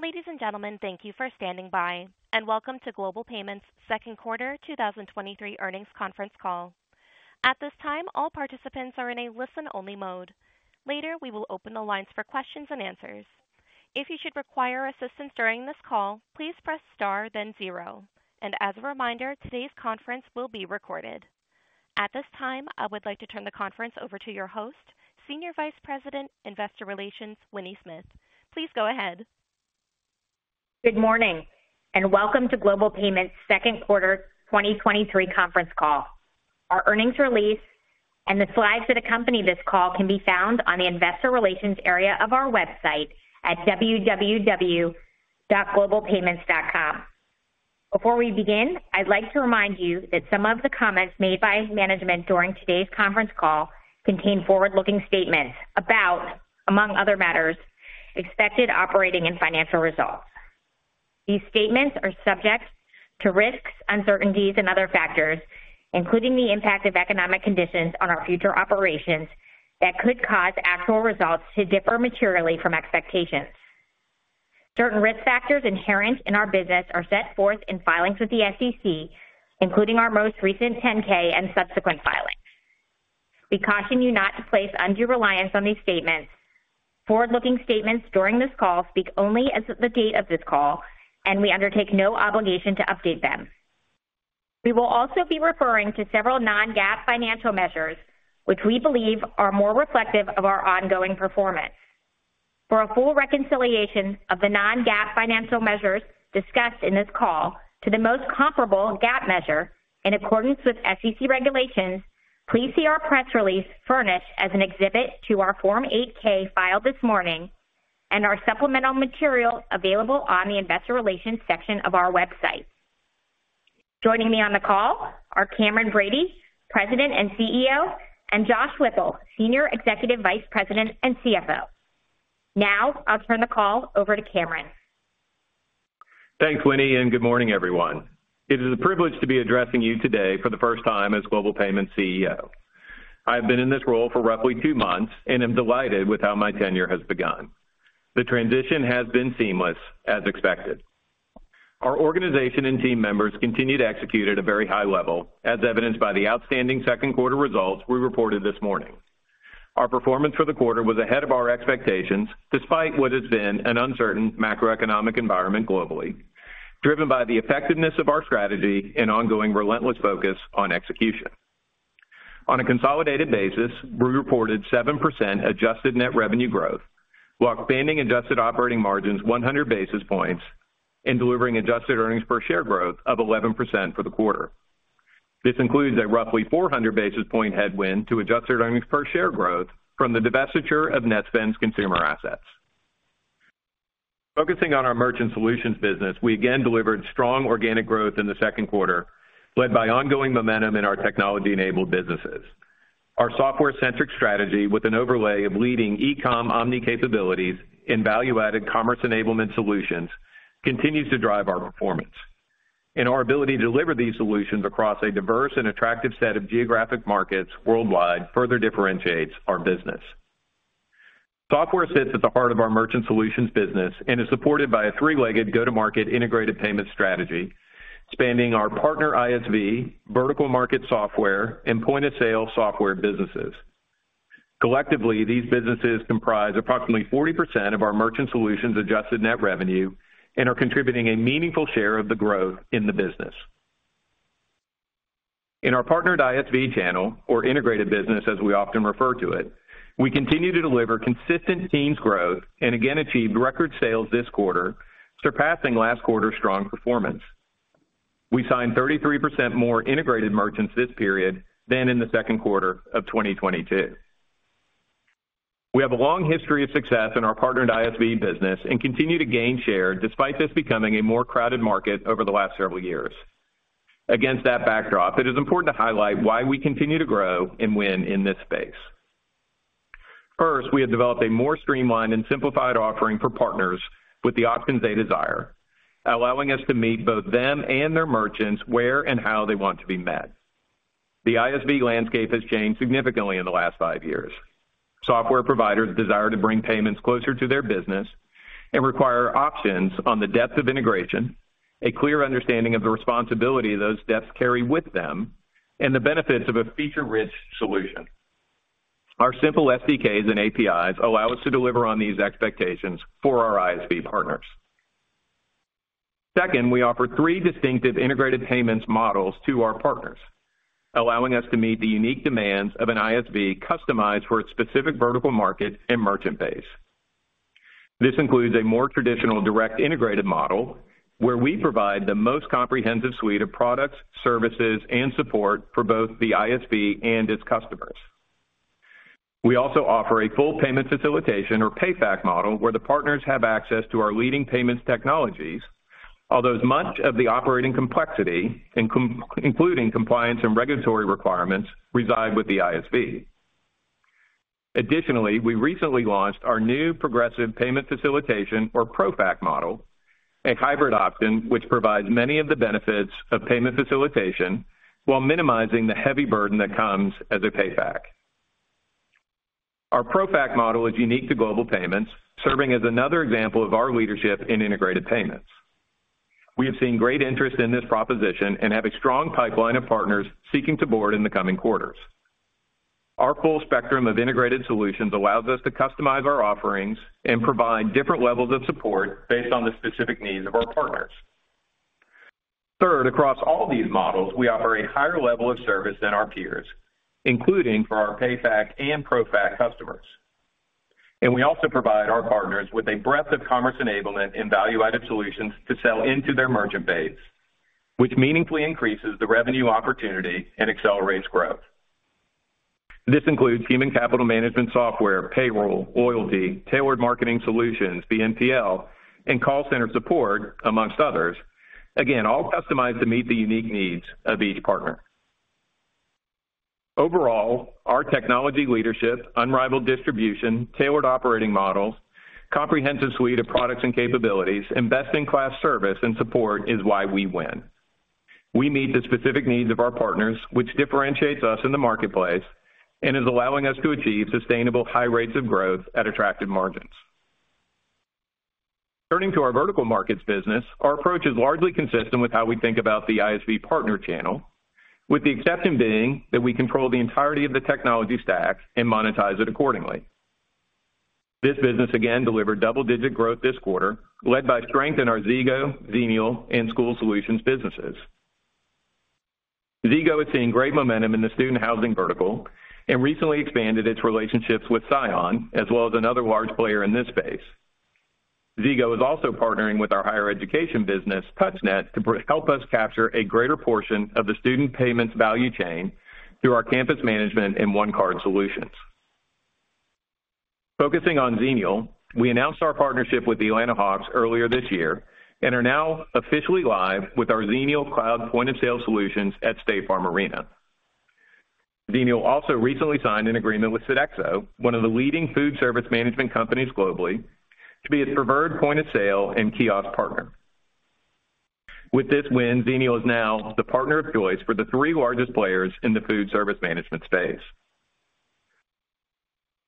Ladies and gentlemen, thank you for standing by, and welcome to Global Payments' second quarter 2023 earnings conference call. At this time, all participants are in a listen-only mode. Later, we will open the lines for questions and answers. If you should require assistance during this call, please press star then zero. As a reminder, today's conference will be recorded. At this time, I would like to turn the conference over to your host, Senior Vice President, investor relations, Winnie Smith. Please go ahead. Good morning, and welcome to Global Payments' second quarter 2023 conference call. Our earnings release and the slides that accompany this call can be found on the Investor Relations area of our website at www.globalpayments.com. Before we begin, I'd like to remind you that some of the comments made by management during today's conference call contain forward-looking statements about, among other matters, expected operating and financial results. These statements are subject to risks, uncertainties, and other factors, including the impact of economic conditions on our future operations, that could cause actual results to differ materially from expectations. Certain risk factors inherent in our business are set forth in filings with the SEC, including our most recent Form 10-K and subsequent filings. We caution you not to place undue reliance on these statements. Forward-looking statements during this call speak only as of the date of this call, and we undertake no obligation to update them. We will also be referring to several non-GAAP financial measures, which we believe are more reflective of our ongoing performance. For a full reconciliation of the non-GAAP financial measures discussed in this call to the most comparable GAAP measure, in accordance with SEC regulations, please see our press release furnished as an exhibit to our Form 8-K filed this morning and our supplemental materials available on the investor relations section of our website. Joining me on the call are Cameron Bready, President and Chief Executive Officer, and Josh Whipple, Senior Executive Vice President and Chief Financial Officer. Now I'll turn the call over to Cameron. Thanks, Winnie. Good morning, everyone. It is a privilege to be addressing you today for the first time as Global Payments CEO. I have been in this role for roughly two months and am delighted with how my tenure has begun. The transition has been seamless as expected. Our organization and team members continue to execute at a very high level, as evidenced by the outstanding second quarter results we reported this morning. Our performance for the quarter was ahead of our expectations, despite what has been an uncertain macroeconomic environment globally, driven by the effectiveness of our strategy and ongoing relentless focus on execution. On a consolidated basis, we reported 7% adjusted net revenue growth, while expanding adjusted operating margins 100 basis points and delivering adjusted earnings per share growth of 11% for the quarter. This includes a roughly 400 basis points headwind to adjusted earnings-per-share growth from the divestiture of Netspend's consumer assets. Focusing on our Merchant Solutions business, we, again, delivered strong organic growth in the second quarter, led by ongoing momentum in our technology-enabled businesses. Our software-centric strategy, with an overlay of leading e-com omni-capabilities and value-added commerce enablement solutions, continues to drive our performance. Our ability to deliver these solutions across a diverse and attractive set of geographic markets worldwide further differentiates our business. Software sits at the heart of our Merchant Solutions business and is supported by a three-legged go-to-market integrated payment strategy, spanning our partner ISV, vertical market software, and point-of-sale software businesses. Collectively, these businesses comprise approximately 40% of our Merchant Solutions adjusted net revenue and are contributing a meaningful share of the growth in the business. In our partnered ISV channel, or integrated business, as we often refer to it, we continue to deliver consistent teams growth and again achieved record-sales this quarter, surpassing last quarter's strong performance. We signed 33% more integrated merchants this period than in the second quarter of 2022. We have a long history of success in our partnered ISV business and continue to gain share, despite this becoming a more crowded market over the last several years. Against that backdrop, it is important to highlight why we continue to grow and win in this space. First, we have developed a more streamlined and simplified offering for partners with the options they desire, allowing us to meet both them and their merchants where and how they want to be met. The ISV landscape has changed significantly in the last five years. Software providers desire to bring payments closer to their business and require options on the depth of integration, a clear understanding of the responsibility those depths carry with them, and the benefits of a feature-rich solution. Our simple SDKs and APIs allow us to deliver on these expectations for our ISV partners. Second, we offer three distinctive integrated payments models to our partners, allowing us to meet the unique demands of an ISV customized for its specific vertical market and merchant base. This includes a more traditional direct integrated model, where we provide the most comprehensive suite of products, services, and support for both the ISV and its customers. We also offer a full payment facilitation or PayFac model, where the partners have access to our leading payments technologies, although much of the operating complexity, including compliance and regulatory requirements, reside with the ISV. Additionally, we recently launched our new Progressive Payment Facilitation, or ProFac model, a hybrid option, which provides many of the benefits of payment facilitation while minimizing the heavy burden that comes as a PayFac. Our ProFac model is unique to Global Payments, serving as another example of our leadership in integrated payments. We have seen great interest in this proposition and have a strong pipeline of partners seeking to board in the coming quarters. Our full spectrum of integrated solutions allows us to customize our offerings and provide different levels of support based on the specific needs of our partners. Third, across all these models, we offer a higher level of service than our peers, including for our PayFac and ProFac customers. We also provide our partners with a breadth of commerce enablement and value-added solutions to sell into their merchant base, which meaningfully increases the revenue opportunity and accelerates growth. This includes human capital management software, payroll, loyalty, tailored marketing solutions, BNPL, and call center support, amongst others. Again, all customized to meet the unique needs of each partner. Overall, our technology leadership, unrivaled distribution, tailored operating models, comprehensive suite of products and capabilities, and best-in-class service and support is why we win. We meet the specific needs of our partners, which differentiates us in the marketplace and is allowing us to achieve sustainable high rates of growth at attractive margins. Turning to our vertical markets business, our approach is largely consistent with how we think about the ISV partner channel, with the exception being that we control the entirety of the technology stack and monetize it accordingly. This business again delivered double-digit growth this quarter, led by strength in our Zego, Xenial, and School Solutions businesses. Zego is seeing great momentum in the student housing vertical and recently expanded its relationships with Scion, as well as another large player in this space. Zego is also partnering with our higher education business, TouchNet, to help us capture a greater portion of the student payments value chain through our campus management and one-card solutions. Focusing on Xenial, we announced our partnership with the Atlanta Hawks earlier this year and are now officially live with our Xenial Cloud point-of-sale solutions at State Farm Arena. Xenial also recently signed an agreement with Sodexo, one of the leading food service management companies globally, to be its preferred point-of-sale and kiosk partner. With this win, Xenial is now the partner of choice for the three largest players in the food service management space.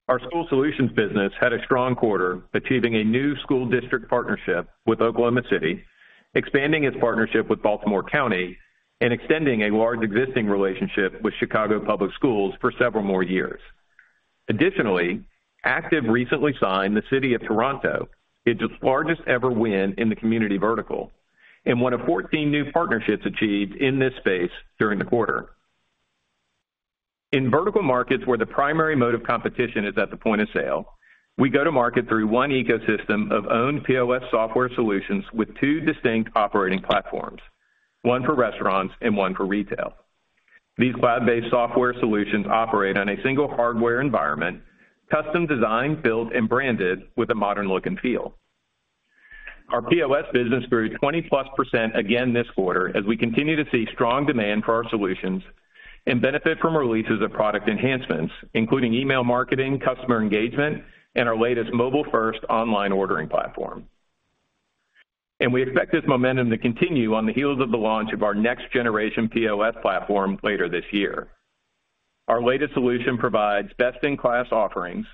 Our School Solutions business had a strong quarter, achieving a new school district partnership with Oklahoma City, expanding its partnership with Baltimore County, and extending a large existing relationship with Chicago Public Schools for several more years. Additionally, Active recently signed the City of Toronto, its largest-ever win in the community vertical and 1 of 14 new partnerships achieved in this space during the quarter. In vertical markets, where the primary mode of competition is at the point of sale, we go to market through one ecosystem of owned POS software solutions with two distinct operating platforms, one for restaurants and one for retail. These cloud-based software solutions operate on a single hardware environment, custom-designed, built, and branded with a modern look and feel. Our POS business grew 20%+ again this quarter as we continue to see strong demand for our solutions and benefit from releases of product enhancements, including email marketing, customer engagement, and our latest mobile-first online ordering platform. We expect this momentum to continue on the heels of the launch of our next-generation POS platform later this year. Our latest solution provides best-in-class offerings,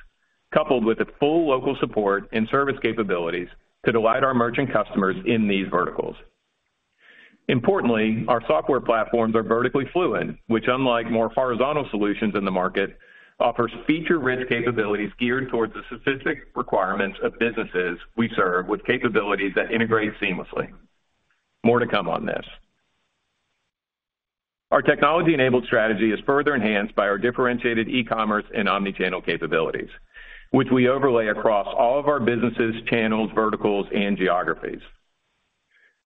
coupled with the full local support and service capabilities to delight our merchant customers in these verticals. Importantly, our software platforms are vertically fluent, which, unlike more horizontal solutions in the market, offers feature-rich capabilities geared towards the specific requirements of businesses we serve, with capabilities that integrate seamlessly. More to come on this. Our technology-enabled strategy is further enhanced by its differentiated e-commerce and omnichannel capabilities, which we overlay across all of our businesses, channels, verticals, and geographies.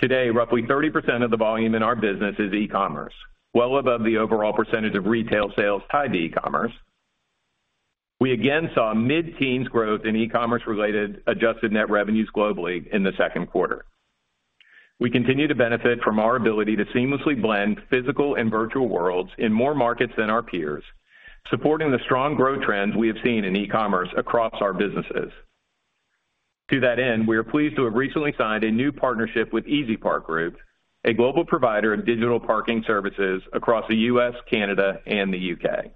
Today, roughly 30% of the volume in our business is e-commerce, well above the overall percentage of retail sales tied to e-commerce. We again saw mid-teens growth in e-commerce-related adjusted net revenues globally in the second quarter. We continue to benefit from our ability to seamlessly blend physical and virtual worlds in more markets than our peers, supporting the strong growth trends we have seen in e-commerce across our businesses. To that end, we are pleased to have recently signed a new partnership with EasyPark Group, a global provider of digital parking services across the U.S., Canada, and the U.K..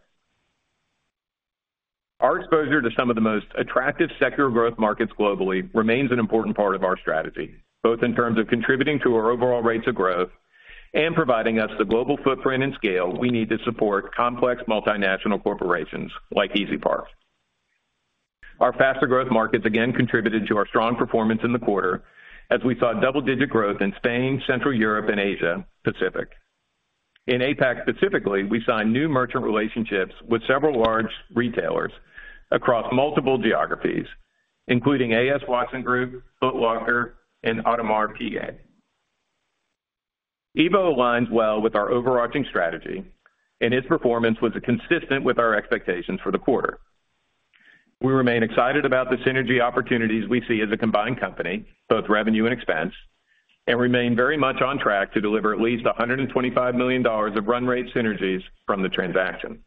Our exposure to some of the most attractive secular growth markets globally remains an important part of our strategy, both in terms of contributing to our overall rates of growth and providing us the global footprint and scale we need to support complex multinational corporations like EasyPark. Our faster growth markets again contributed to our strong performance in the quarter, as we saw double-digit growth in Spain, Central Europe, and Asia Pacific. In APAC specifically, we signed new merchant relationships with several large retailers across multiple geographies, including A.S. Watson Group, Foot Locker, and Audemars Piguet. EVO aligns well with our overarching strategy, and its performance was consistent with our expectations for the quarter. We remain excited about the synergy opportunities we see as a combined company, both revenue and expense, and remain very much on track to deliver at least $125 million of run-rate synergies from the transaction.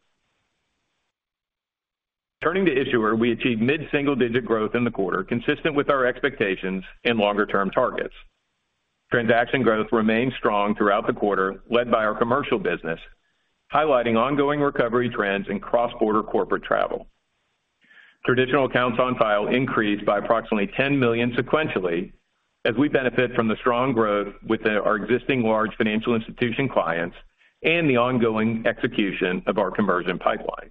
Turning to Issuer, we achieved mid-single-digit growth in the quarter, consistent with our expectations and longer-term targets. Transaction growth remained strong throughout the quarter, led by our commercial business, highlighting ongoing recovery trends in cross-border corporate travel. Traditional accounts on file increased by approximately 10 million sequentially, as we benefit from the strong growth with our existing large financial institution clients and the ongoing execution of our conversion pipeline.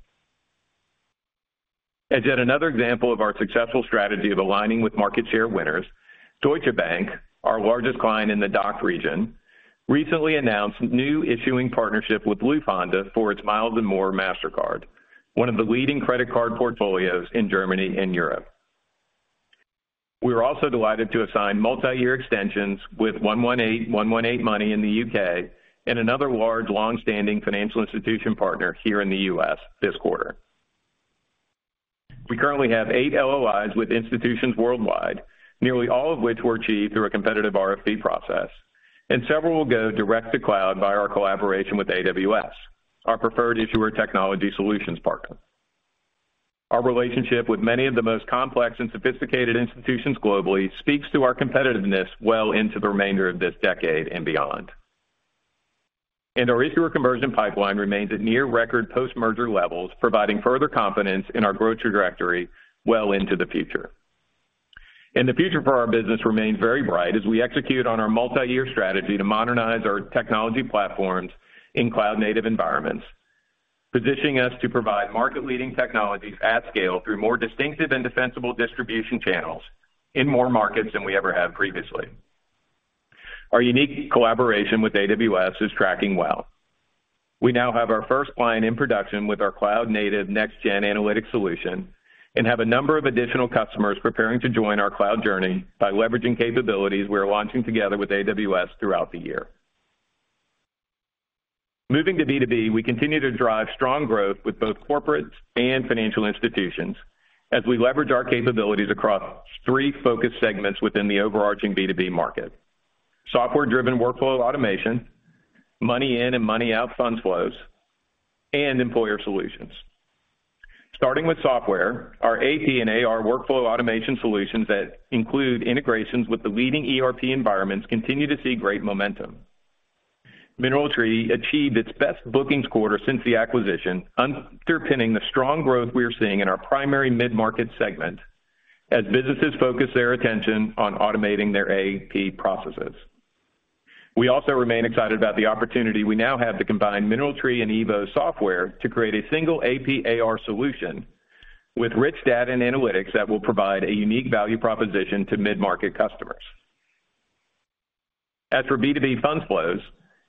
As yet another example of our successful strategy of aligning with market share winners, Deutsche Bank, our largest client in the DACH region, recently announced a new issuing partnership with Lufthansa for its Miles & More MasterCard, one of the leading credit card portfolios in Germany and Europe. We were also delighted to assign multi-year extensions with 118 118 Money in the U.K. and another large, long-standing financial institution partner here in the U.S. this quarter. We currently have eight LOIs with institutions worldwide, nearly all of which were achieved through a competitive RFP process, and several will go direct to cloud via our collaboration with AWS, our preferred issuer technology solutions partner. Our relationship with many of the most complex and sophisticated institutions globally speaks to our competitiveness well into the remainder of this decade and beyond. Our issuer conversion pipeline remains at near record post-merger levels, providing further confidence in our growth trajectory well into the future. The future for our business remains very bright as we execute on our multi-year strategy to modernize our technology platforms in cloud-native environments, positioning us to provide market-leading technologies at scale through more distinctive and defensible distribution channels in more markets than we ever have previously. Our unique collaboration with AWS is tracking well. We now have our first client in production with our cloud-native next-gen analytics solution and have a number of additional customers preparing to join our cloud journey by leveraging capabilities we are launching together with AWS throughout the year. Moving to B2B, we continue to drive strong growth with both corporates and financial institutions as we leverage our capabilities across three focus segments within the overarching B2B market: software-driven workflow automation, money-in and money-out funds flows, and employer solutions. Starting with software, our AP and AR workflow automation solutions that include integrations with the leading ERP environments continue to see great momentum. MineralTree achieved its best bookings quarter since the acquisition, underpinning the strong growth we are seeing in our primary mid-market segment as businesses focus their attention on automating their AP processes. We also remain excited about the opportunity we now have to combine MineralTree and EVO software to create a single AP/AR solution with rich data and analytics that will provide a unique value proposition to mid-market customers. As for B2B funds flows,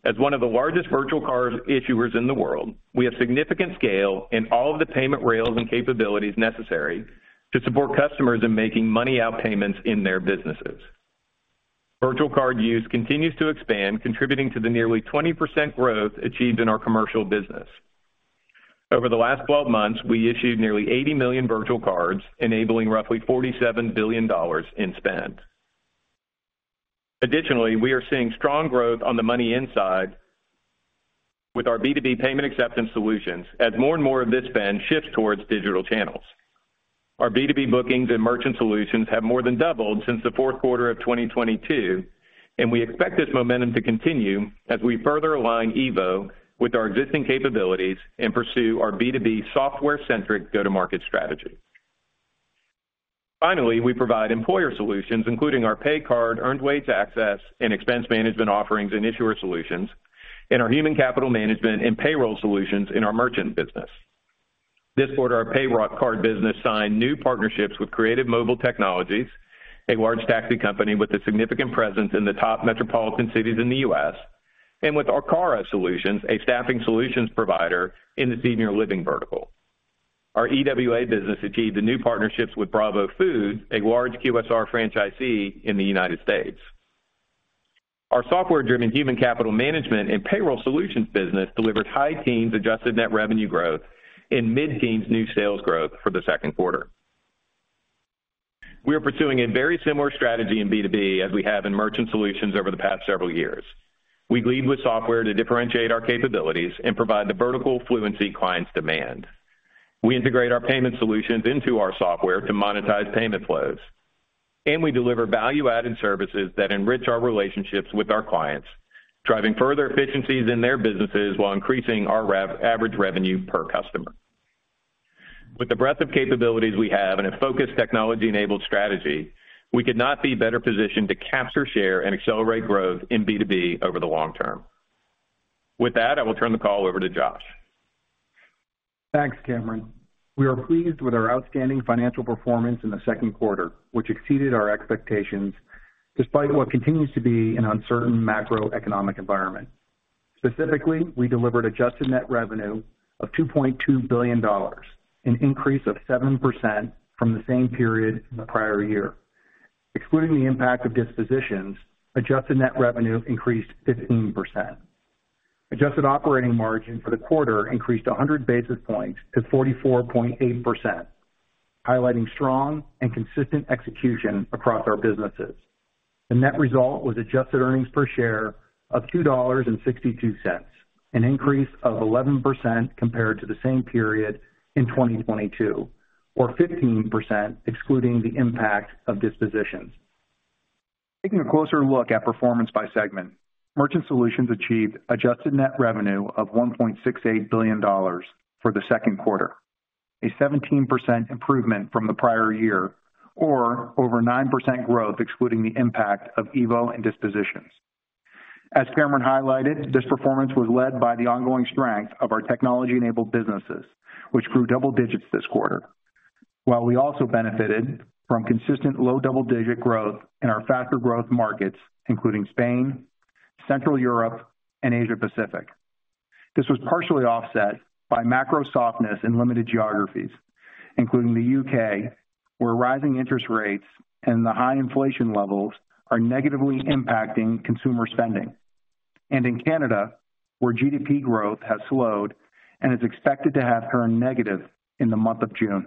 as one of the largest virtual card issuers in the world, we have significant scale in all of the payment rails and capabilities necessary to support customers in making money-out payments in their businesses. Virtual card use continues to expand, contributing to the nearly 20% growth achieved in our commercial business. Over the last 12 months, we issued nearly 80 million virtual cards, enabling roughly $47 billion in spend. Additionally, we are seeing strong growth on the money inside with our B2B payment acceptance solutions, as more and more of this spend shifts towards digital channels. Our B2B bookings and merchant solutions have more than doubled since the fourth quarter of 2022, and we expect this momentum to continue as we further align EVO with our existing capabilities and pursue our B2B software-centric go-to-market strategy. Finally, we provide employer solutions, including our pay card, earned wage access, and expense management offerings, and issuer solutions, and our human capital management and payroll solutions in our merchant business. This quarter, our pay card business signed new partnerships with Creative Mobile Technologies, a large taxi company with a significant presence in the top metropolitan cities in the U.S., and with Acara Solutions, a staffing solutions provider in the senior living vertical. Our EWA business achieved the new partnerships with Bravo Food Service, a large QSR franchisee in the United States. Our software-driven human capital management and payroll solutions business delivered high-teens adjusted net revenue growth and mid-teens new sales growth for the second quarter. We are pursuing a very similar strategy in B2B as we have in merchant solutions over the past several years. We lead with software to differentiate our capabilities and provide the vertical fluency clients demand. We integrate our payment solutions into our software to monetize payment flows, and we deliver value-added services that enrich our relationships with our clients, driving further efficiencies in their businesses while increasing our average revenue per customer. With the breadth of capabilities we have and a focused technology-enabled strategy, we could not be better positioned to capture, share, and accelerate growth in B2B over the long term. With that, I will turn the call over to Josh. Thanks, Cameron. We are pleased with our outstanding financial performance in the second quarter, which exceeded our expectations, despite what continues to be an uncertain macroeconomic environment. Specifically, we delivered adjusted net revenue of $2.2 billion, an increase of 7% from the same period in the prior year. Excluding the impact of dispositions, adjusted net revenue increased 15%. Adjusted operating margin for the quarter increased 100 basis points to 44.8%, highlighting strong and consistent execution across our businesses. The net result was adjusted earnings-per-share of $2.62, an increase of 11% compared to the same period in 2022, or 15%, excluding the impact of dispositions. Taking a closer look at performance by segment, Merchant Solutions achieved adjusted net revenue of $1.68 billion for the second quarter, a 17% improvement from the prior year, or over 9% growth, excluding the impact of EVO and dispositions. As Cameron highlighted, this performance was led by the ongoing strength of our technology-enabled businesses, which grew double digits this quarter. While we also benefited from consistent low double-digit growth in our faster growth markets, including Spain, Central Europe, and Asia Pacific. This was partially offset by macrosoftness in limited geographies, including the U.K., where rising interest rates and the high inflation levels are negatively impacting consumer spending, and in Canada, where GDP growth has slowed and is expected to have turned negative in the month of June.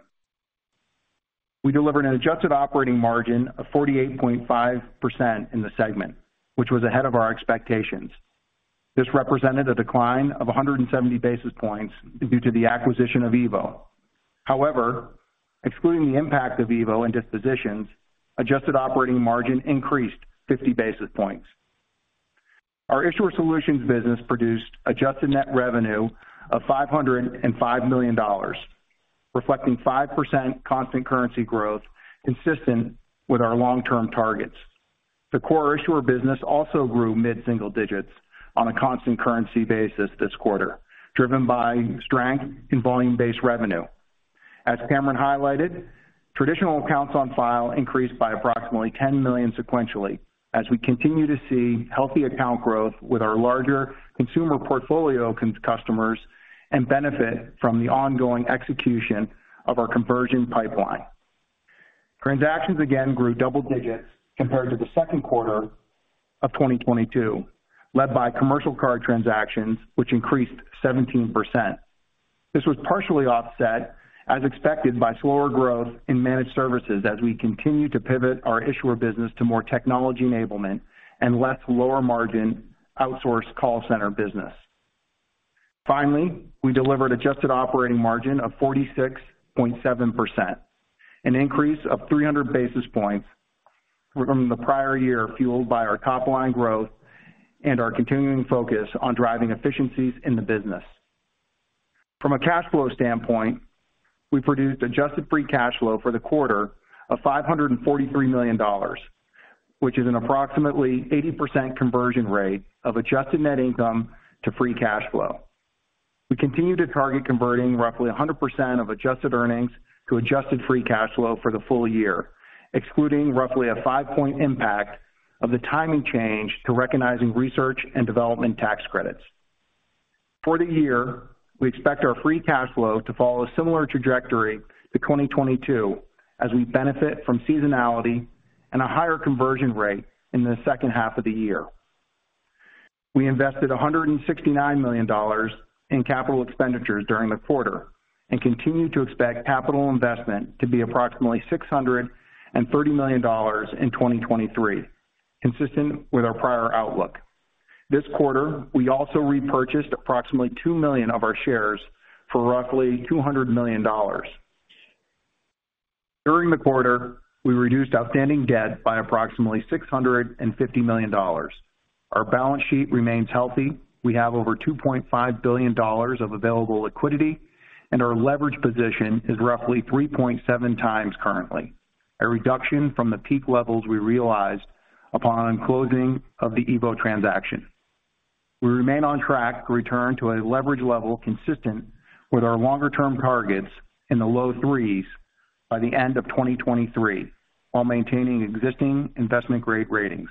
We delivered an adjusted operating margin of 48.5% in the segment, which was ahead of our expectations. This represented a decline of 170 basis points due to the acquisition of EVO. Excluding the impact of EVO and dispositions, adjusted operating margin increased 50 basis points. Our Issuer Solutions business produced adjusted net revenue of $505 million, reflecting 5% constant currency growth, consistent with our long-term targets. The core issuer business also grew mid-single digits on a constant currency basis this quarter, driven by strength in volume-based revenue. As Cameron highlighted, traditional accounts on file increased by approximately 10 million sequentially, as we continue to see healthy account growth with our larger consumer portfolio customers and benefit from the ongoing execution of our conversion pipeline. Transactions again grew double digits compared to the second quarter of 2022, led by commercial card transactions, which increased 17%. This was partially offset, as expected, by slower growth in managed services as we continue to pivot our issuer business to more technology-enablement and less lower-margin outsourced call center business. Finally, we delivered adjusted operating margin of 46.7%, an increase of 300 basis pints from the prior year, fueled by our top-line growth and our continuing focus on driving efficiencies in the business. From a cash flow standpoint, we produced adjusted free cash flow for the quarter of $543 million, which is an approximately 80% conversion rate of adjusted net income to free cash flow. We continue to target converting roughly 100% of adjusted earnings to adjusted free cash flow for the full year, excluding roughly a five-point impact of the timing change to recognizing research and development tax credits. For the year, we expect our free cash flow to follow a similar trajectory to 2022, as we benefit from seasonality and a higher conversion rate in the second half of the year. We invested $169 million in capital expenditures during the quarter and continue to expect capital investment to be approximately $630 million in 2023, consistent with our prior outlook. This quarter, we also repurchased approximately 2 million of our shares for roughly $200 million. During the quarter, we reduced outstanding debt by approximately $650 million. Our balance sheet remains healthy. We have over $2.5 billion of available liquidity, and our leverage position is roughly 3.7x currently, a reduction from the peak levels we realized upon closing of the EVO transaction. We remain on track to return to a leverage level consistent with our longer-term targets in the low threes by the end of 2023, while maintaining existing investment-grade ratings.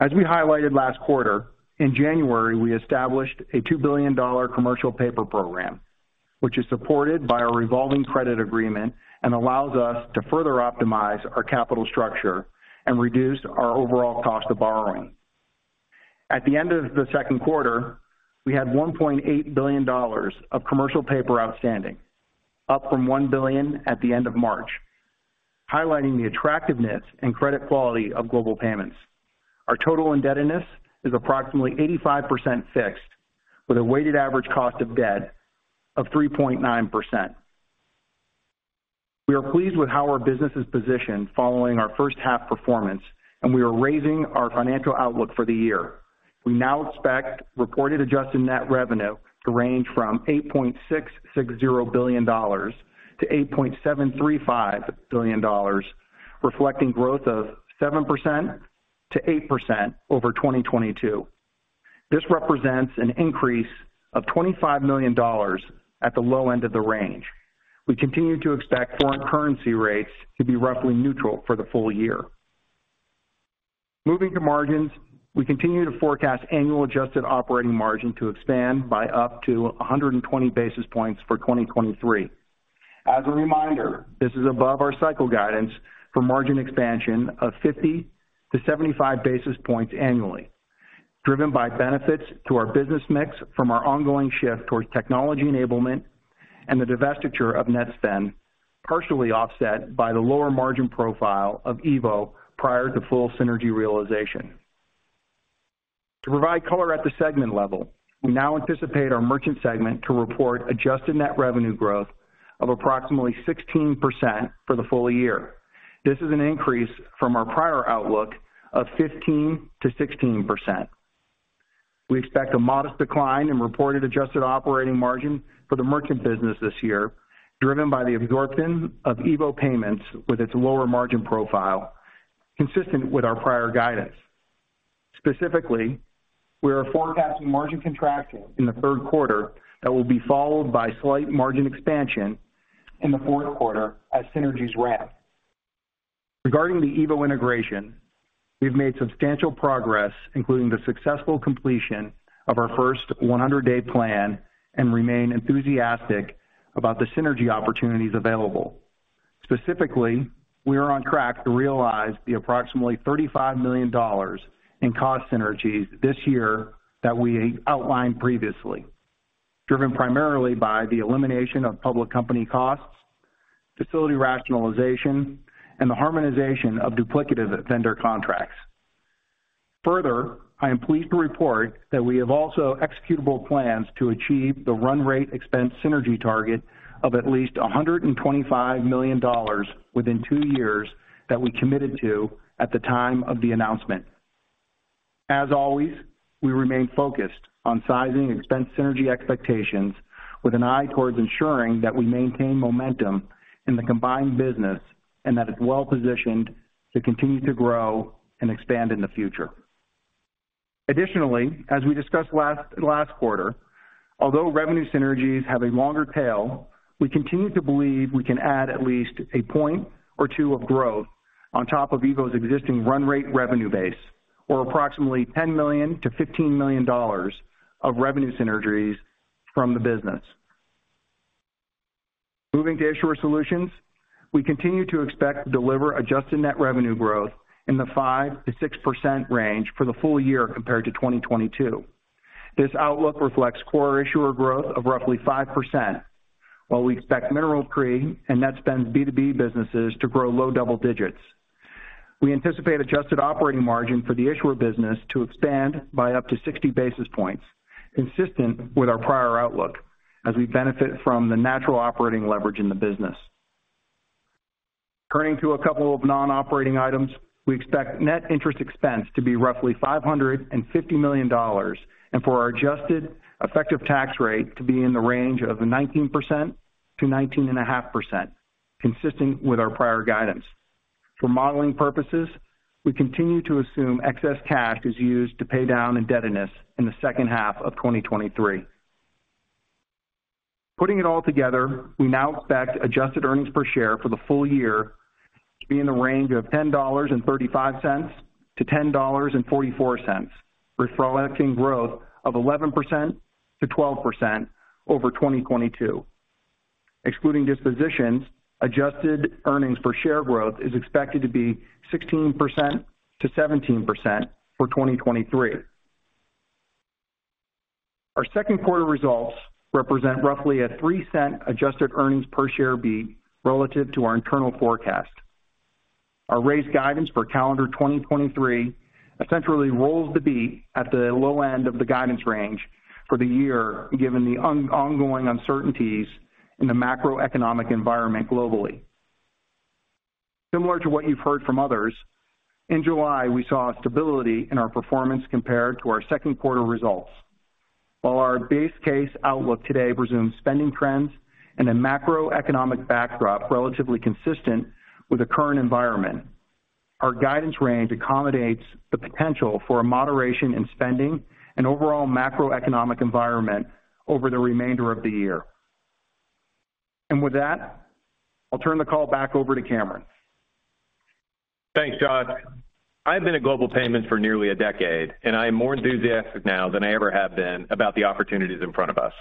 As we highlighted last quarter, in January, we established a $2 billion commercial paper program, which is supported by our revolving credit agreement and allows us to further optimize our capital structure and reduce our overall cost of borrowing. At the end of the second quarter, we had $1.8 billion of commercial paper outstanding, up from $1 billion at the end of March, highlighting the attractiveness and credit quality of Global Payments. Our total indebtedness is approximately 85% fixed, with a weighted average cost of debt of 3.9%. We are pleased with how our business is positioned following our first half performance. We are raising our financial outlook for the year. We now expect reported adjusted net revenue to range from $8.660 billion-$8.735 billion, reflecting growth of 7%-8% over 2022. This represents an increase of $25 million at the low end of the range. We continue to expect foreign currency rates to be roughly neutral for the full-year. Moving to margins, we continue to forecast annual adjusted operating margin to expand by up to 120 basis points for 2023. As a reminder, this is above our cycle guidance for margin expansion of 50-75 basis points annually, driven by benefits to our business mix from our ongoing shift towards technology enablement and the divestiture of Netspend, partially offset by the lower margin profile of EVO prior to full synergy realization. To provide color at the segment level, we now anticipate our merchant segment to report adjusted net revenue growth of approximately 16% for the full-year. This is an increase from our prior outlook of 15%-16%. We expect a modest decline in reported adjusted operating margin for the merchant business this year, driven by the absorption of EVO Payments, with its lower margin profile, consistent with our prior guidance. Specifically, we are forecasting margin contraction in the third quarter that will be followed by slight margin expansion in the fourth quarter as synergies ramp. Regarding the EVO integration, we've made substantial progress, including the successful completion of our first 100-day plan, and remain enthusiastic about the synergy opportunities available. Specifically, we are on track to realize the approximately $35 million in cost synergies this year that we outlined previously, driven primarily by the elimination of public company costs, facility rationalization, and the harmonization of duplicative vendor contracts. Further, I am pleased to report that we have also executable plans to achieve the run rate expense synergy target of at least $125 million within two years that we committed to at the time of the announcement. As always, we remain focused on sizing expense synergy expectations with an eye towards ensuring that we maintain momentum in the combined business and that it's well positioned to continue to grow and expand in the future. Additionally, as we discussed last quarter, although revenue synergies have a longer tail, we continue to believe we can add at least a point or two of growth on top of EVO's existing run rate revenue base, or approximately $10 million-$15 million of revenue synergies from the business. Moving to Issuer Solutions, we continue to expect to deliver adjusted net revenue growth in the 5%-6% range for the full year compared to 2022. This outlook reflects core issuer growth of roughly 5%, while we expect MineralTree and Netspend's B2B businesses to grow low double-digits. We anticipate adjusted operating margin for the issuer business to expand by up to 60 basis points, consistent with our prior outlook, as we benefit from the natural operating leverage in the business. Turning to a couple of non-operating items, we expect net interest expense to be roughly $550 million. For our adjusted effective tax rate to be in the range of 19%-19.5%, consistent with our prior guidance. For modeling purposes, we continue to assume excess cash is used to pay down indebtedness in the second half of 2023. Putting it all together, we now expect adjusted earnings-per-share for the full year to be in the range of $10.35-$10.44, reflecting growth of 11%-12% over 2022. Excluding dispositions, adjusted earnings-per-share growth is expected to be 16%-17% for 2023. Our second quarter results represent roughly a $0.03 adjusted earnings per share beat relative to our internal forecast. Our raised guidance for calendar 2023 essentially rolls the beat at the low end of the guidance range for the year, given the ongoing uncertainties in the macroeconomic environment globally. Similar to what you've heard from others, in July, we saw stability in our performance compared to our second quarter results. While our base case outlook today presumes spending trends and a macroeconomic backdrop relatively consistent with the current environment, our guidance range accommodates the potential for a moderation in spending and overall macroeconomic environment over the remainder of the year. With that, I'll turn the call back over to Cameron. Thanks, Josh. I've been at Global Payments for nearly a decade, and I am more enthusiastic now than I ever have been about the opportunities in front of us.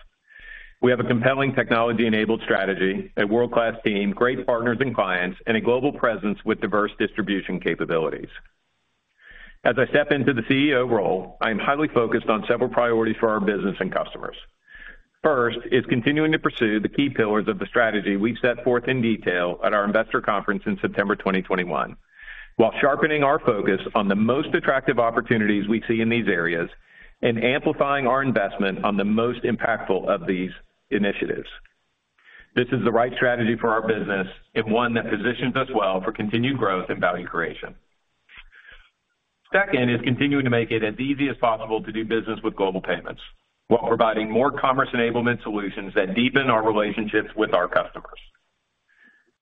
We have a compelling technology-enabled strategy, a world-class team, great partners and clients, and a global presence with diverse distribution capabilities. As I step into the CEO role, I am highly focused on several priorities for our business and customers. First is continuing to pursue the key pillars of the strategy we set forth in detail at our investor conference in September 2021, while sharpening our focus on the most attractive opportunities we see in these areas and amplifying our investment on the most impactful of these initiatives. This is the right strategy for our business and one that positions us well for continued growth and value creation. Second is continuing to make it as easy as possible to do business with Global Payments, while providing more commerce enablement solutions that deepen our relationships with our customers.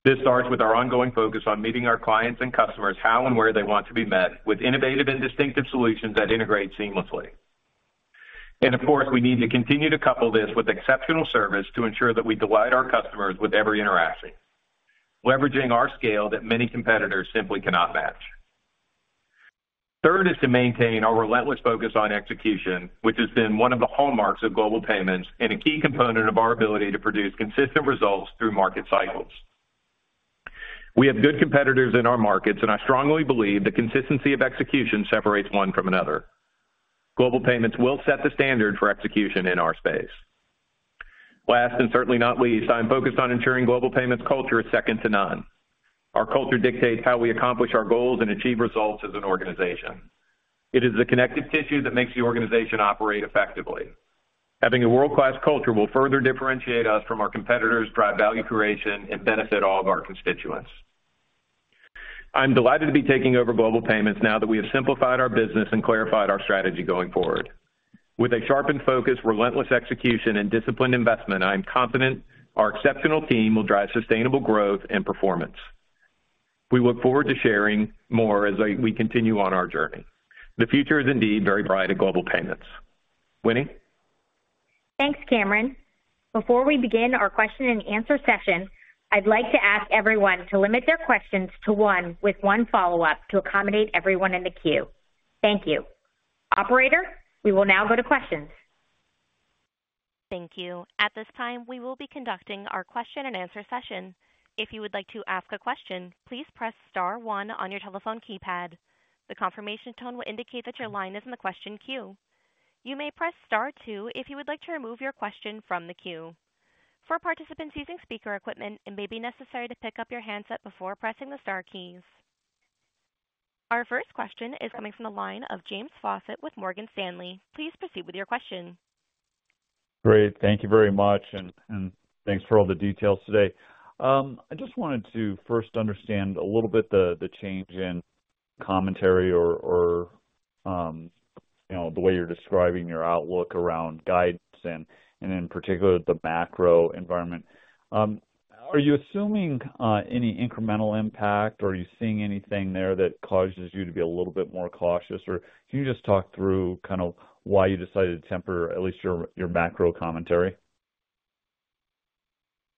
This starts with our ongoing focus on meeting our clients and customers how and where they want to be met, with innovative and distinctive solutions that integrate seamlessly. Of course, we need to continue to couple this with exceptional service to ensure that we delight our customers with every interaction, leveraging our scale that many competitors simply cannot match. Third is to maintain our relentless focus on execution, which has been one of the hallmarks of Global Payments and a key component of our ability to produce consistent results through market cycles. We have good competitors in our markets, and I strongly believe that consistency of execution separates one from another. Global Payments will set the standard for execution in our space. Last and certainly not least, I'm focused on ensuring Global Payments' culture is second to none. Our culture dictates how we accomplish our goals and achieve results as an organization. It is the connective tissue that makes the organization operate effectively. Having a world-class culture will further differentiate us from our competitors, drive value creation, and benefit all of our constituents. I'm delighted to be taking over Global Payments now that we have simplified our business and clarified our strategy going forward. With a sharpened focus, relentless execution, and disciplined investment, I am confident our exceptional team will drive sustainable growth and performance. We look forward to sharing more as we continue on our journey. The future is indeed very bright at Global Payments. Winnie? Thanks, Cameron. Before we begin our question-and-answer session, I'd like to ask everyone to limit their questions to one, with one follow-up, to accommodate everyone in the queue. Thank you. Operator, we will now go to questions. Thank you. At this time, we will be conducting our question-and-answer session. If you would like to ask a question, please press star one on your telephone keypad. The confirmation tone will indicate that your line is in the question queue. You may press star two if you would like to remove your question from the queue. For participants using speaker equipment, it may be necessary to pick up your handset before pressing the star keys. Our first question is coming from the line of James Faucette with Morgan Stanley. Please proceed with your question. Great. Thank you very much, and thanks for all the details today. I just wanted to first understand a little bit the change in commentary or, you know, the way you're describing your outlook around guidance and in particular, the macroenvironment. Are you assuming any incremental impact, or are you seeing anything there that causes you to be a little bit more cautious? Can you just talk through kind of why you decided to temper at least your macrocommentary?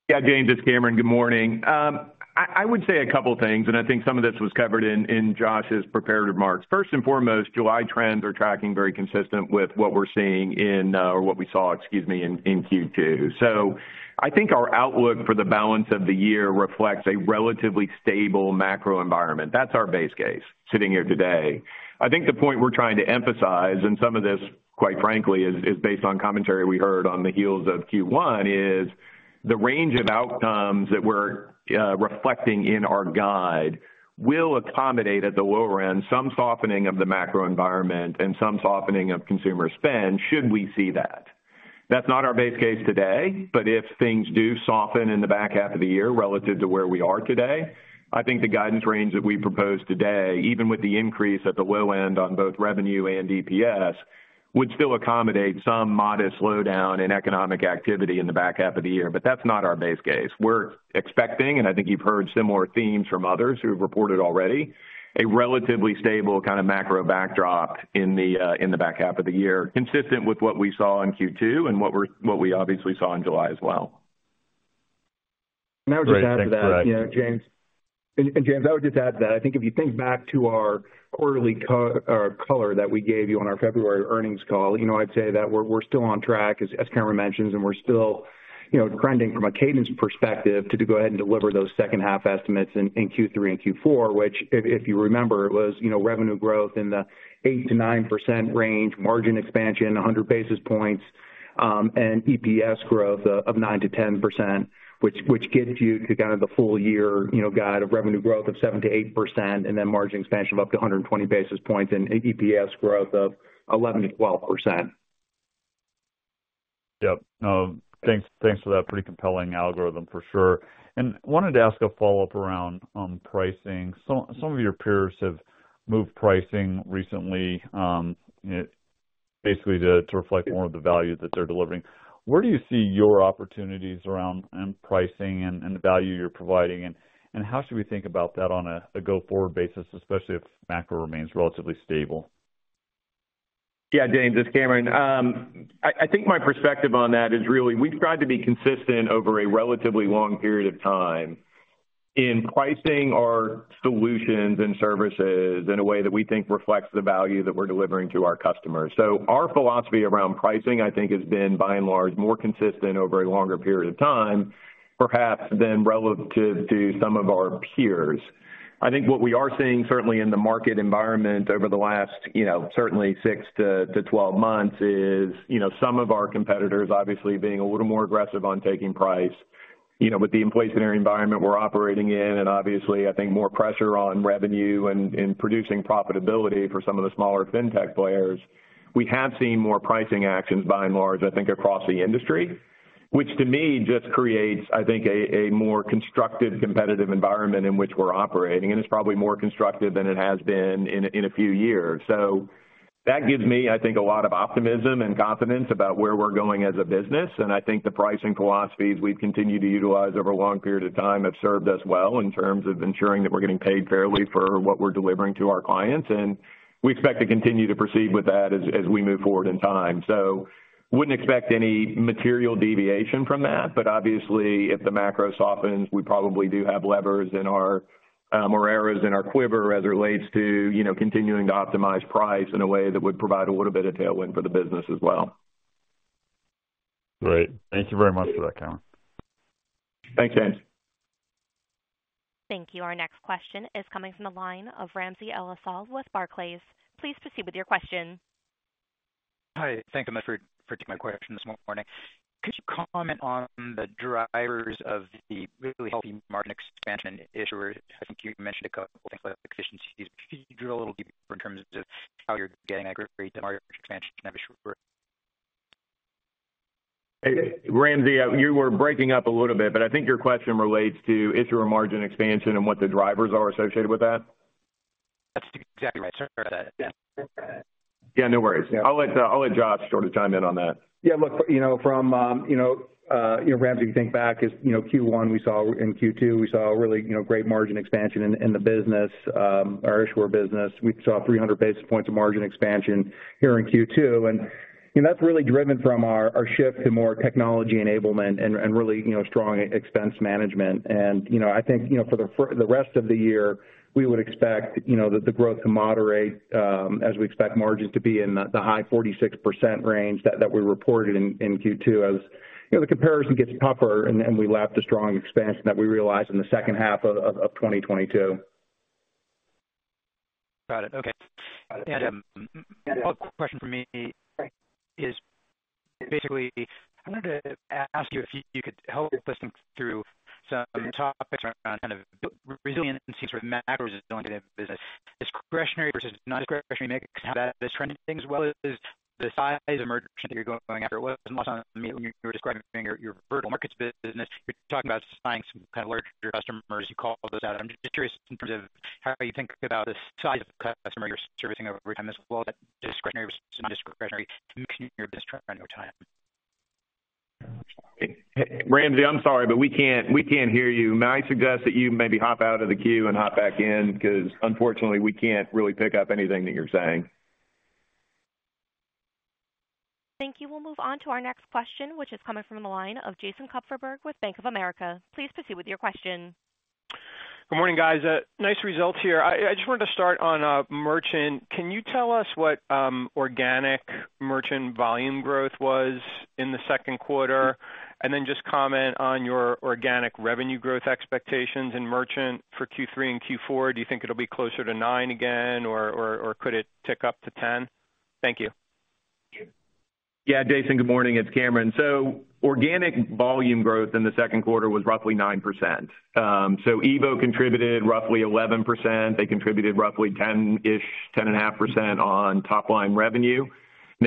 Yeah, James, it's Cameron. Good morning. I, I would say a couple things. I think some of this was covered in Josh's prepared remarks. First and foremost, July trends are tracking very consistent with what we're seeing, or what we saw, excuse me, in Q2. I think our outlook for the balance of the year reflects a relatively stable macroenvironment. That's our base case sitting here today. I think the point we're trying to emphasize, some of this, quite frankly, is, is based on commentary we heard on the heels of Q1, is the range of outcomes that we're reflecting in our guide will accommodate, at the low end, some softening of the macroenvironment and some softening of consumer spend, should we see that. That's not our base case today, but if things do soften in the back half of the year relative to where we are today, I think the guidance range that we proposed today, even with the increase at the low end on both revenue and EPS, would still accommodate some modest slowdown in economic activity in the back half of the year. But that's not our base case. We're expecting, and I think you've heard similar themes from others who have reported already, a relatively stable kind of macrobackdrop in the in the back half of the year, consistent with what we saw in Q2 and what we're -- what we obviously saw in July as well. I would just add to that, you know, James. James, I would just add to that, I think if you think back to our quarterly color that we gave you on our February earnings call, you know, I'd say that we're, we're still on track, as, as Cameron mentioned, and we're still, you know, trending from a cadence perspective to, to go ahead and deliver those second half estimates in, in Q3 and Q4, which if, if you remember, it was, you know, revenue growth in the 8%-9% range, margin expansion 100 basis points, and EPS growth of 9%-10%, which, which gets you to kind of the full-year, you know, guide of revenue growth of 7%-8% and then margin expansion of up to 120 basis points and EPS growth of 11%-12%. Yep. Thanks, thanks for that pretty compelling algorithm, for sure. Wanted to ask a follow-up around pricing. Some, some of your peers have moved pricing recently, basically to, to reflect more of the value that they're delivering. Where do you see your opportunities around pricing and, and the value you're providing, and, and how should we think about that on a, a go-forward basis, especially if macro remains relatively stable? Yeah, James, it's Cameron. I, I think my perspective on that is really we've tried to be consistent over a relatively long period of time in pricing our solutions and services in a way that we think reflects the value that we're delivering to our customers. Our philosophy around pricing, I think, has been, by and large, more consistent over a longer period of time, perhaps than relative to some of our peers. I think what we are seeing, certainly in the market environment over the last, you know, certainly 6-12 months is, you know, some of our competitors obviously being a little more aggressive on taking price. You know, with the inflationary environment we're operating in, and obviously, I think more pressure on revenue and, and producing profitability for some of the smaller fintech players, we have seen more pricing actions, by and large, I think, across the industry. Which to me just creates, I think, a, a more constructive, competitive environment in which we're operating, and it's probably more constructive than it has been in a, in a few years. That gives me, I think, a lot of optimism and confidence about where we're going as a business. I think the pricing philosophies we've continued to utilize over a long period of time have served us well in terms of ensuring that we're getting paid fairly for what we're delivering to our clients. We expect to continue to proceed with that as, as we move forward in time. Wouldn't expect any material deviation from that, but obviously, if the macro softens, we probably do have levers in our or arrows in our quiver as it relates to, you know, continuing to optimize price in a way that would provide a little bit of tailwind for the business as well. Great. Thank you very much for that, Cameron. Thanks, James. Thank you. Our next question is coming from the line of Ramsey El-Assal with Barclays. Please proceed with your question. Hi, thank you so much for, for taking my question this morning. Could you comment on the drivers of the really healthy margin expansion issuer? I think you mentioned a couple things about efficiencies. Could you drill a little deeper in terms of how you're getting that great margin expansion? Hey, Ramsey, you were breaking up a little bit. I think your question relates to issuer margin expansion and what the drivers are associated with that. That's exactly right. Sure. Yeah. Yeah, no worries. I'll let Josh sort of chime in on that. Yeah, look, you know, from, you know, Ramsey, you think back is, you know, Q1 we saw- in Q2, we saw a really, you know, great margin expansion in the business. Our issuer business, we saw 300 basis points of margin expansion here in Q2, and, you know, that's really driven from our, our shift to more technology-enablement and really, you know, strong expense management. You know, I think, you know, for the rest of the year, we would expect, you know, that the growth to moderate, as we expect margins to be in the high 46% range that, that we reported in Q2 as, you know, the comparison gets tougher, and we lapped a strong expansion that we realized in the second half of 2022. Ramsey, I'm sorry, but we can't, we can't hear you. May I suggest that you maybe hop out of the queue and hop back in? Because unfortunately, we can't really pick up anything that you're saying. Thank you. We'll move on to our next question, which is coming from the line of Jason Kupferberg with Bank of America. Please proceed with your question. Good morning, guys. Nice results here. I, I just wanted to start on merchant. Can you tell us what organic merchant volume growth was in the second quarter? Then just comment on your organic revenue growth expectations in merchant for Q3 and Q4. Do you think it'll be closer to 9% again, or, or, or could it tick up to 10%? Thank you. Yeah, Jason, good morning. It's Cameron. Organic volume growth in the second quarter was roughly 9%. EVO contributed roughly 11%. They contributed roughly 10-ish, 10.5% on top line revenue, and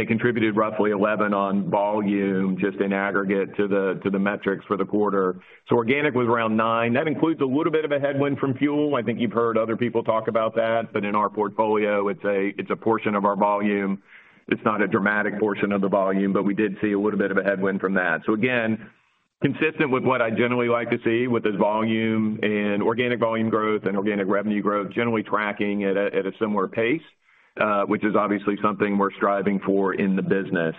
they contributed roughly 11% on volume, just in aggregate to the, to the metrics for the quarter. Organic was around 9%. That includes a little bit of a headwind from fuel. I think you've heard other people talk about that, but in our portfolio, it's a, it's a portion of our volume. It's not a dramatic portion of the volume, but we did see a little bit of a headwind from that. Again, consistent with what I generally like to see with this volume and organic volume growth and organic revenue growth generally tracking at a similar pace, which is obviously something we're striving for in the business.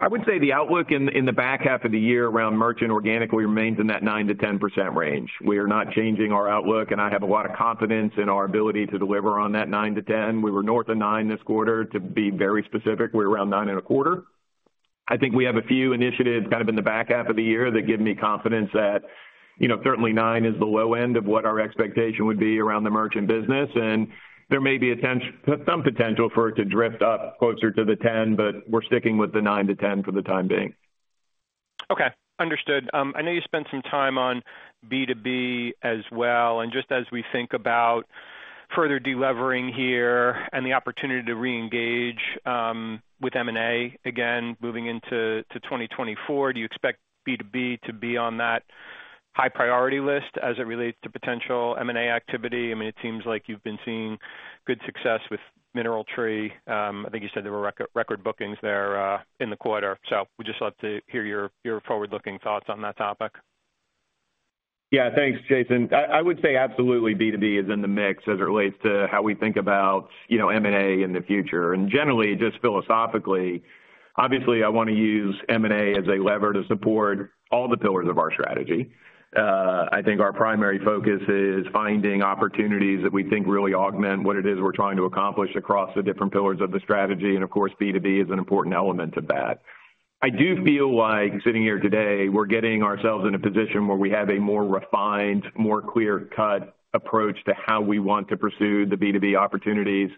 I would say the outlook in the back half of the year around merchant organically remains in that 9%-10% range. We are not changing our outlook, and I have a lot of confidence in our ability to deliver on that 9%-10%. We were north of 9% this quarter. To be very specific, we're around 9.25%. I think we have a few initiatives kind of in the back half of the year that give me confidence that, you know, certainly 9% is the low end of what our expectation would be around the merchant business. There may be some potential for it to drift up closer to 10%. We're sticking with the 9%-10% for the time being. Okay, understood. I know you spent some time on B2B as well, and just as we think about further de-levering here and the opportunity to reengage, with M&A again, moving into 2024, do you expect B2B to be on that high-priority list as it relates to potential M&A activity? I mean, it seems like you've been seeing good success with MineralTree. I think you said there were record bookings there, in the quarter. We just love to hear your, your forward-looking thoughts on that topic. Yeah. Thanks, Jason. I, I would say absolutely B2B is in the mix as it relates to how we think about, you know, M&A in the future. Generally, just philosophically, obviously, I want to use M&A as a lever to support all the pillars of our strategy. I think our primary focus is finding opportunities that we think really augment what it is we're trying to accomplish across the different pillars of the strategy. Of course, B2B is an important element of that. I do feel like sitting here today, we're getting ourselves in a position where we have a more refined, more clear-cut approach to how we want to pursue the B2B opportunities.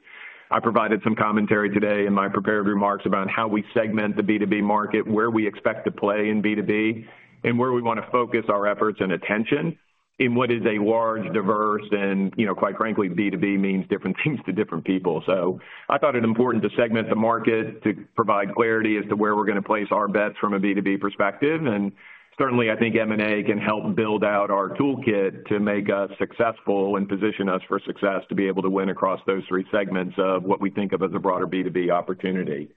I provided some commentary today in my prepared remarks about how we segment the B2B market, where we expect to play in B2B, and where we want to focus our efforts and attention in what is a large, diverse, and you know, quite frankly, B2B means different things to different people. I thought it important to segment the market to provide clarity as to where we're going to place our bets from a B2B perspective. Certainly, I think M&A can help build out our toolkit to make us successful and position us for success to be able to win across those three segments of what we think of as a broader B2B opportunity.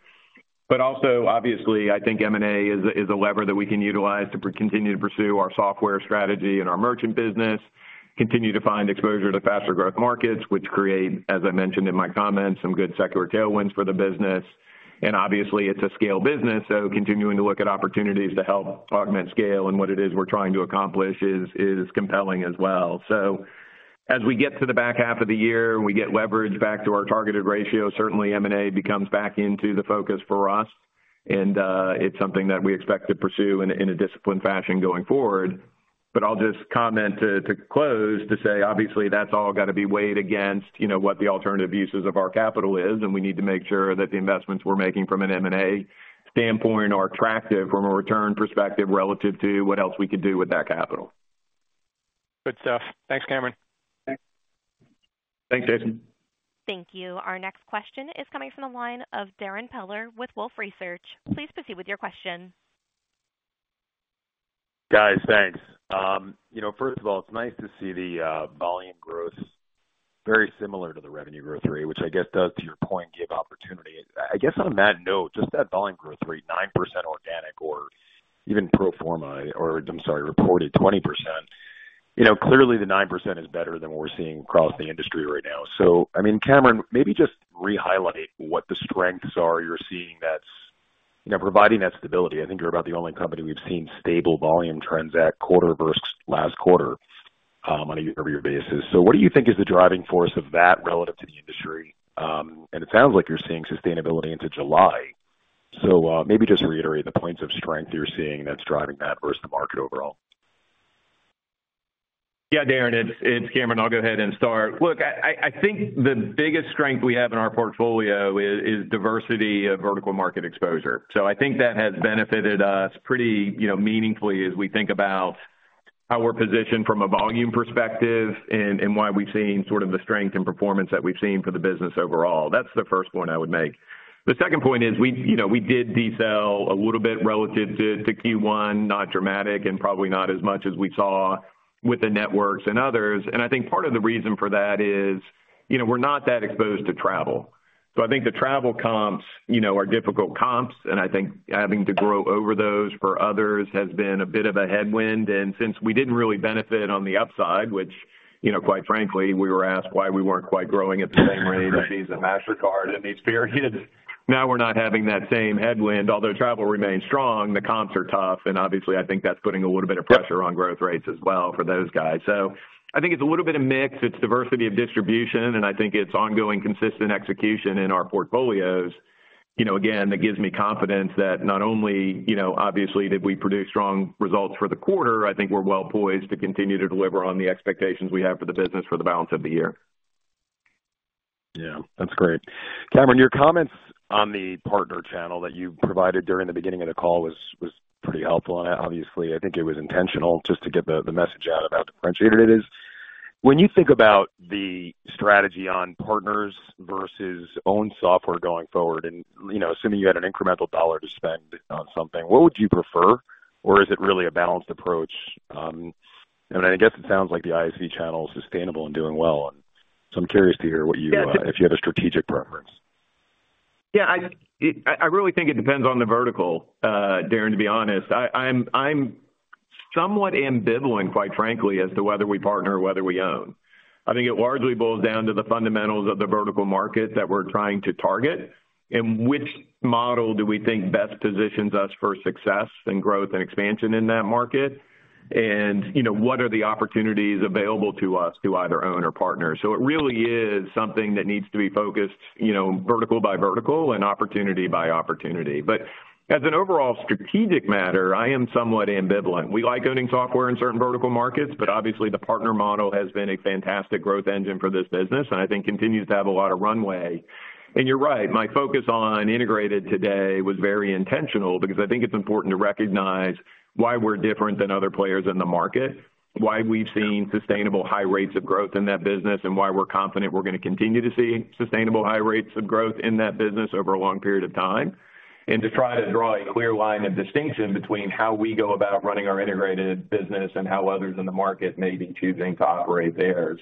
Also, obviously, I think M&A is a, is a lever that we can utilize to continue to pursue our software strategy and our merchant business, continue to find exposure to faster growth markets, which create, as I mentioned in my comments, some good secular tailwinds for the business. Obviously, it's a scale business, so continuing to look at opportunities to help augment scale and what it is we're trying to accomplish is, is compelling as well. As we get to the back half of the year and we get leverage back to our targeted ratio, certainly M&A becomes back into the focus for us. It's something that we expect to pursue in a disciplined fashion going forward. I'll just comment to, to close, to say, obviously, that's all got to be weighed against, you know, what the alternative uses of our capital is, and we need to make sure that the investments we're making from an M&A standpoint are attractive from a return perspective relative to what else we could do with that capital. Good stuff. Thanks, Cameron. Thanks, Jason. Thank you. Our next question is coming from the line of Darrin Peller with Wolfe Research. Please proceed with your question. Guys, thanks. You know, first of all, it's nice to see the volume growth very similar to the revenue growth rate, which I guess does, to your point, give opportunity. I guess on that note, just that volume growth rate, 9% organic or even pro forma, or I'm sorry, reported 20%. You know, clearly, the 9% is better than what we're seeing across the industry right now. I mean, Cameron, maybe just re-highlight what the strengths are you're seeing that's, you know, providing that stability. I think you're about the only company we've seen stable volume trends at quarter versus last quarter, on a year-over-year basis. What do you think is the driving force of that relative to the industry? And it sounds like you're seeing sustainability into July. Maybe just reiterate the points of strength you're seeing that's driving that versus the market overall? Yeah, Darrin, it's, it's Cameron. I'll go ahead and start. Look, I, I think the biggest strength we have in our portfolio is, is diversity of vertical market exposure. I think that has benefited us pretty, you know, meaningfully as we think about how we're positioned from a volume perspective and, and why we've seen sort of the strength and performance that we've seen for the business overall. That's the first point I would make. The second point is we, you know, we did detail a little bit relative to, to Q1, not dramatic and probably not as much as we saw with the networks and others. I think part of the reason for that is, you know, we're not that exposed to travel. I think the travel comps, you know, are difficult comps, and I think having to grow over those for others has been a bit of a headwind. Since we didn't really benefit on the upside, which, you know, quite frankly, we were asked why we weren't quite growing at the same rate as Visa and Mastercard in these periods. Now, we're not having that same headwind. Although travel remains strong, the comps are tough, and obviously, I think that's putting a little bit of pressure on growth rates as well for those guys. I think it's a little bit of mix. It's diversity of distribution, and I think it's ongoing consistent execution in our portfolios. You know, again, that gives me confidence that not only, you know, obviously, did we produce strong results for the quarter, I think we're well poised to continue to deliver on the expectations we have for the business for the balance of the year. Yeah, that's great. Cameron, your comments on the partner channel that you provided during the beginning of the call was, was pretty helpful, and obviously, I think it was intentional just to get the, the message out about how differentiated it is. When you think about the strategy on partners versus own software going forward, and, you know, assuming you had an incremental dollar to spend on something, what would you prefer? Or is it really a balanced approach? And I guess it sounds like the ISV channel is sustainable and doing well, so I'm curious to hear what you... If you have a strategic preference. Yeah, I, I really think it depends on the vertical, Darrin, to be honest. I, I'm, I'm somewhat ambivalent, quite frankly, as to whether we partner or whether we own. I think it largely boils down to the fundamentals of the vertical market that we're trying to target and which model do we think best positions us for success and growth and expansion in that market, and, you know, what are the opportunities available to us to either own or partner? It really is something that needs to be focused, you know, vertical by vertical and opportunity by opportunity. As an overall strategic matter, I am somewhat ambivalent. We like owning software in certain vertical markets, but obviously, the partner model has been a fantastic growth engine for this business, and I think continues to have a lot of runway. You're right, my focus on integrated today was very intentional because I think it's important to recognize why we're different than other players in the market, why we've seen sustainable high rates of growth in that business, and why we're confident we're going to continue to see sustainable high rates of growth in that business over a long period of time, and to try to draw a clear line of distinction between how we go about running our integrated business and how others in the market may be choosing to operate there.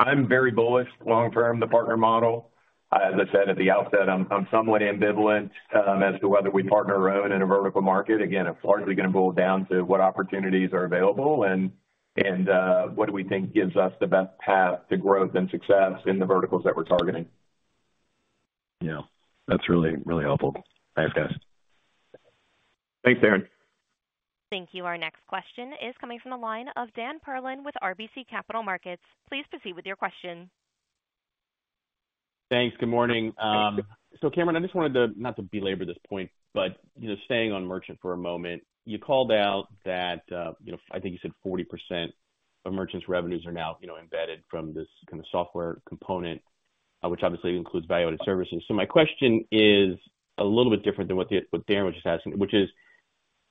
I'm very bullish long term, the partner model. As I said at the outset, I'm, I'm somewhat ambivalent as to whether we partner or own in a vertical market. Again, it's largely going to boil down to what opportunities are available and, and, what do we think gives us the best path to growth and success in the verticals that we're targeting. Yeah, that's really, really helpful. Thanks, guys. Thanks, Darrin. Thank you. Our next question is coming from the line of Dan Perlin with RBC Capital Markets. Please proceed with your question. Thanks. Good morning. Cameron, I just wanted to... Not to belabor this point, but, you know, staying on merchant for a moment, you called out that, you know, I think you said 40% of merchants' revenues are now, you know, embedded from this kind of software component, which obviously includes value-added services. My question is a little bit different than what the, what Darrin was just asking, which is: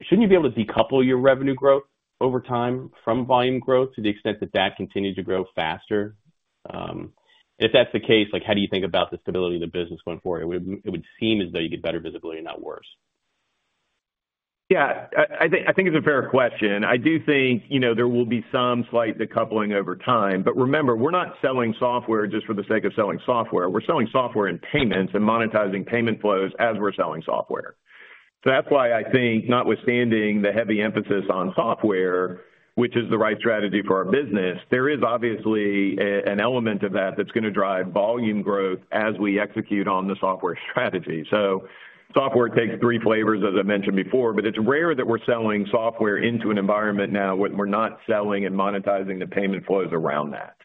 Shouldn't you be able to decouple your revenue growth over time from volume growth to the extent that that continues to grow faster? If that's the case, like, how do you think about the stability of the business going forward? It would, it would seem as though you get better visibility, not worse. Yeah, I, I think, I think it's a fair question. I do think, you know, there will be some slight decoupling over time. Remember, we're not selling software just for the sake of selling software. We're selling software and payments and monetizing payment flows as we're selling software. That's why I think, notwithstanding the heavy emphasis on software, which is the right strategy for our business, there is obviously a, an element of that that's going to drive volume growth as we execute on the software strategy. Software takes three flavors, as I mentioned before, but it's rare that we're selling software into an environment now, where we're not selling and monetizing the payment flows around that.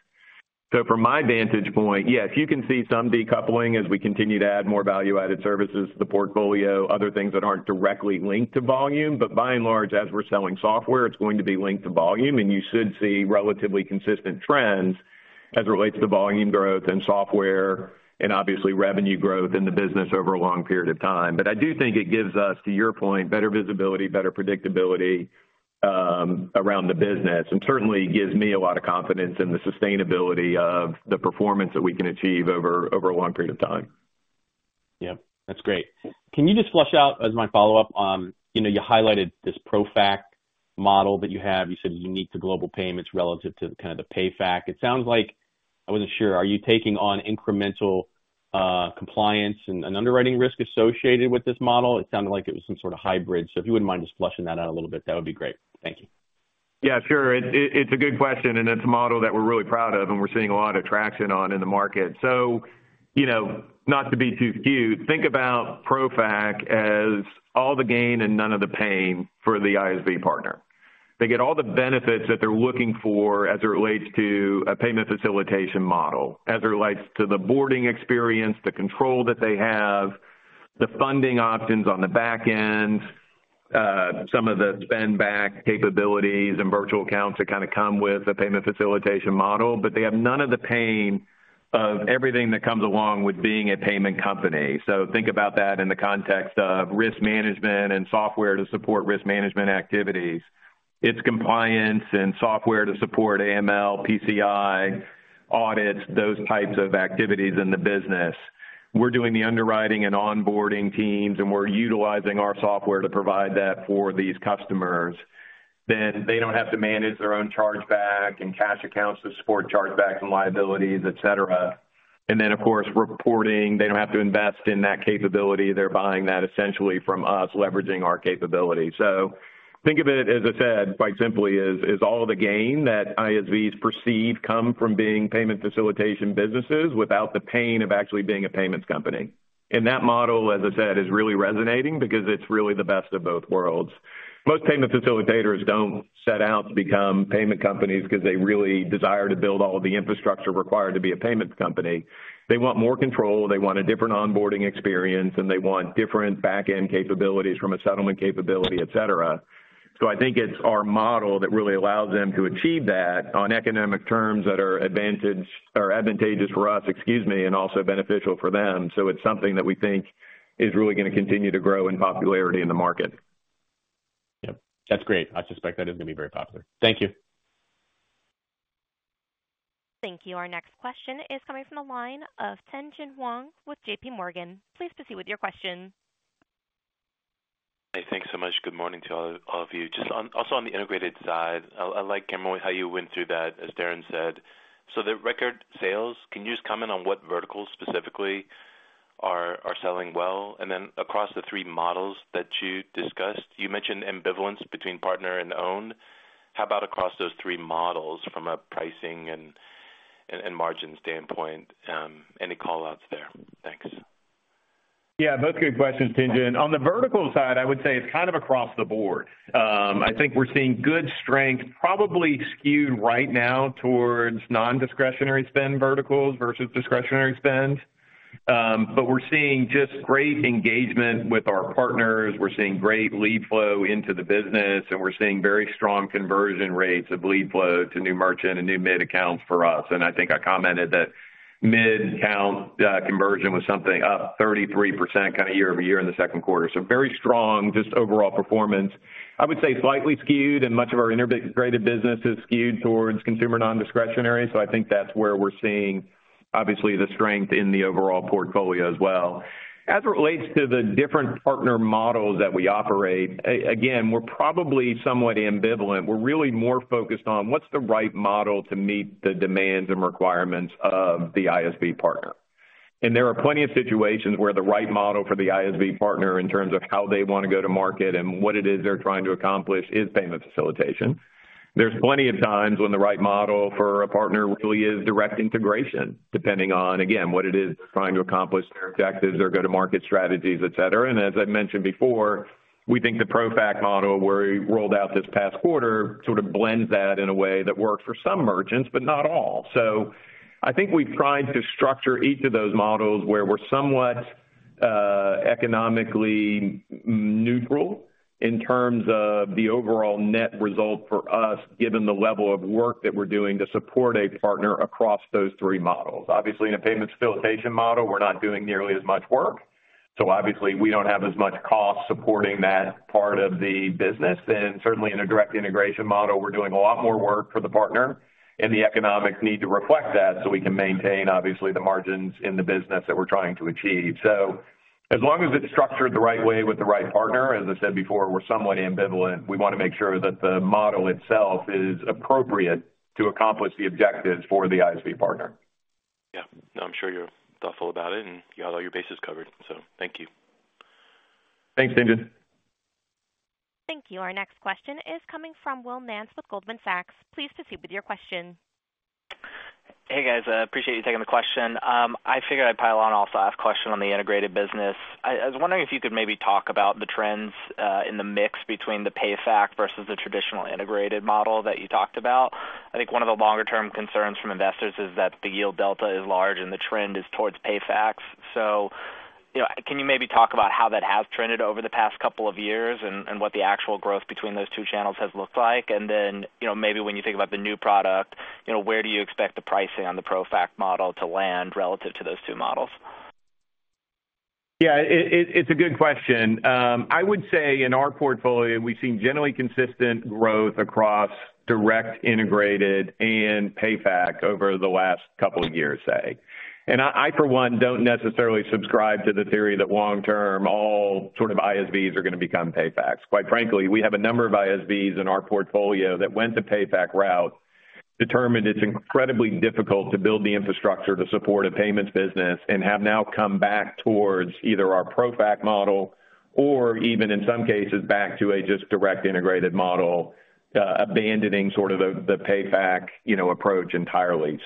From my vantage point, yes, you can see some decoupling as we continue to add more value-added services to the portfolio, other things that aren't directly linked to volume. By and large, as we're selling software, it's going to be linked to volume, and you should see relatively consistent trends as it relates to volume growth and software and obviously revenue growth in the business over a long period of time. I do think it gives us, to your point, better visibility, better predictability, around the business, and certainly gives me a lot of confidence in the sustainability of the performance that we can achieve over, over a long period of time. Yep, that's great. Can you just flush out, as my follow-up, you know, you highlighted this ProFac model that you have. You said it's unique to Global Payments relative to kind of the PayFac. It sounds like, I wasn't sure, are you taking on incremental, compliance and, and underwriting risk associated with this model? It sounded like it was some sort of hybrid. So if you wouldn't mind just flushing that out a little bit, that would be great. Thank you. Yeah, sure. It, it's a good question, and it's a model that we're really proud of, and we're seeing a lot of traction on in the market. You know, not to be too skewed, think about ProFac as all the gain and none of the pain for the ISV partner. They get all the benefits that they're looking for as it relates to a payment facilitation model, as it relates to the boarding experience, the control that they have, the funding options on the back end, some of the spend-back capabilities and virtual accounts that kind of come with a payment facilitation model. They have none of the pain of everything that comes along with being a payment company. Think about that in the context of risk management and software to support risk management activities. It's compliance and software to support AML, PCI, audits, those types of activities in the business. We're doing the underwriting and onboarding teams, and we're utilizing our software to provide that for these customers. They don't have to manage their own chargeback and cash accounts to support chargebacks and liabilities, et cetera. Then, of course, reporting, they don't have to invest in that capability. They're buying that essentially from us, leveraging our capability. Think of it, as I said, quite simply, as, as all of the gain that ISVs perceive come from being payment facilitation businesses without the pain of actually being a payments company. That model, as I said, is really resonating because it's really the best of both worlds. Most payment facilitators don't set out to become payment companies because they really desire to build all the infrastructure required to be a payments company. They want more control, they want a different onboarding experience, and they want different back-end capabilities from a settlement capability, et cetera. I think it's our model that really allows them to achieve that on economic terms that are advantaged or advantageous for us, excuse me, and also beneficial for them. It's something that we think is really going to continue to grow in popularity in the market. Yep, that's great. I suspect that is going to be very popular. Thank you. Thank you. Our next question is coming from the line of Tien-tsin Huang with J.P. Morgan. Please proceed with your question. Hey, thanks so much. Good morning to all, all of you. Just also on the integrated side, I like, Cameron, how you went through that, as Darrin said. The record sales, can you just comment on what verticals specifically are, are selling well? Then across the three models that you discussed, you mentioned ambivalence between partner and owned. How about across those three models from a pricing and margin standpoint? Any call-outs there? Thanks. Yeah, both good questions, Tien-tsin. On the vertical side, I would say it's kind of across the board. I think we're seeing good strength, probably skewed right now towards non-discretionary spend verticals versus discretionary spends. We're seeing just great engagement with our partners. We're seeing great lead flow into the business, and we're seeing very strong conversion rates of lead flow to new merchant and new mid accounts for us. I think I commented that mid-account conversion was something up 33% kind of year-over-year in the second quarter. Very strong, just overall performance. I would say slightly skewed and much of our integrated business is skewed towards consumer non-discretionary. I think that's where we're seeing, obviously, the strength in the overall portfolio as well. As it relates to the different partner models that we operate, again, we're probably somewhat ambivalent. We're really more focused on what's the right model to meet the demands and requirements of the ISV partner. There are plenty of situations where the right model for the ISV partner in terms of how they want to go to market and what it is they're trying to accomplish, is payment facilitation. There's plenty of times when the right model for a partner really is direct integration, depending on, again, what it is they're trying to accomplish, their objectives, their go-to-market strategies, et cetera. As I mentioned before, we think the ProFac model, where we rolled out this past quarter, sort of blends that in a way that works for some merchants, but not all. I think we've tried to structure each of those models where we're somewhat economically neutral in terms of the overall net result for us, given the level of work that we're doing to support a partner across those three models. Obviously, in a payment facilitation model, we're not doing nearly as much work, so obviously, we don't have as much cost supporting that part of the business. Certainly in a direct integration model, we're doing a lot more work for the partner, and the economics need to reflect that so we can maintain, obviously, the margins in the business that we're trying to achieve. As long as it's structured the right way with the right partner, as I said before, we're somewhat ambivalent. We want to make sure that the model itself is appropriate to accomplish the objectives for the ISV partner. Yeah. I'm sure you're thoughtful about it, and you have all your bases covered. Thank you. Thanks, Tien-tsin. Thank you. Our next question is coming from Will Nance with Goldman Sachs. Please proceed with your question. Hey, guys, appreciate you taking the question. I figured I'd pile on also ask a question on the integrated business. I was wondering if you could maybe talk about the trends in the mix between the PayFac versus the traditional integrated model that you talked about. I think one of the longer-term concerns from investors is that the yield delta is large and the trend is towards PayFacs. You know, can you maybe talk about how that has trended over the past couple of years, and what the actual growth between those two channels has looked like? You know, maybe when you think about the new product, you know, where do you expect the pricing on the ProFac model to land relative to those two models? Yeah, it, it, it's a good question. I would say in our portfolio, we've seen generally consistent growth across direct, integrated, and PayFac over the last couple of years, say. I, I, for one, don't necessarily subscribe to the theory that long term, all sort of ISVs are going to become PayFacs. Quite frankly, we have a number of ISVs in our portfolio that went the PayFac route, determined it's incredibly difficult to build the infrastructure to support a payments business, and have now come back towards either our ProFac model or even in some cases, back to a just direct integrated model, abandoning sort of the, the PayFac, you know, approach entirely.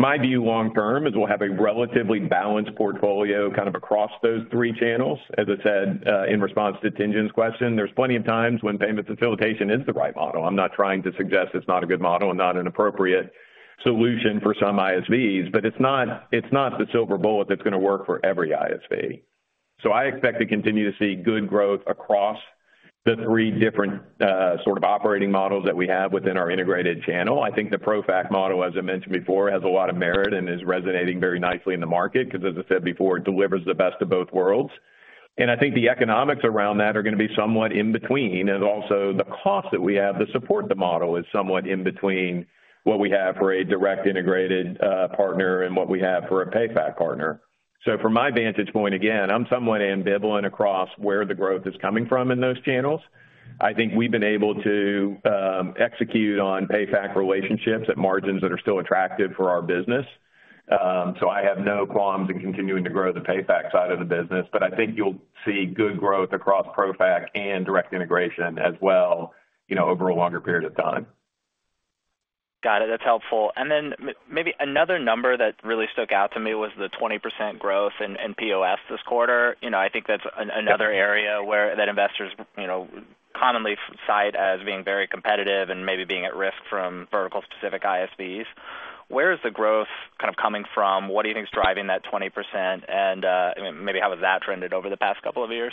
My view long term is we'll have a relatively balanced portfolio, kind of across those three channels. As I said, in response to Tien-tsin's question, there's plenty of times when payment facilitation is the right model. I'm not trying to suggest it's not a good model and not an appropriate solution for some ISVs, but it's not, it's not the silver bullet that's going to work for every ISV. I expect to continue to see good growth across the three different sort of operating models that we have within our integrated channel. I think the ProFac model, as I mentioned before, has a lot of merit and is resonating very nicely in the market because, as I said before, it delivers the best of both worlds. I think the economics around that are going to be somewhat in between. Also, the cost that we have to support the model is somewhat in between what we have for a direct integrated partner and what we have for a PayFac partner. From my vantage point, again, I'm somewhat ambivalent across where the growth is coming from in those channels. I think we've been able to execute on PayFac relationships at margins that are still attractive for our business. I have no qualms in continuing to grow the PayFac side of the business, but I think you'll see good growth across ProFac and direct integration as well, you know, over a longer period of time. Got it. That's helpful. Then maybe another number that really stuck out to me was the 20% growth in, in POS this quarter. You know, I think that's another area where, that investors, you know, commonly cite as being very competitive and maybe being at risk from vertical-specific ISVs. Where is the growth kind of coming from? What do you think is driving that 20%? Maybe how has that trended over the past couple of years?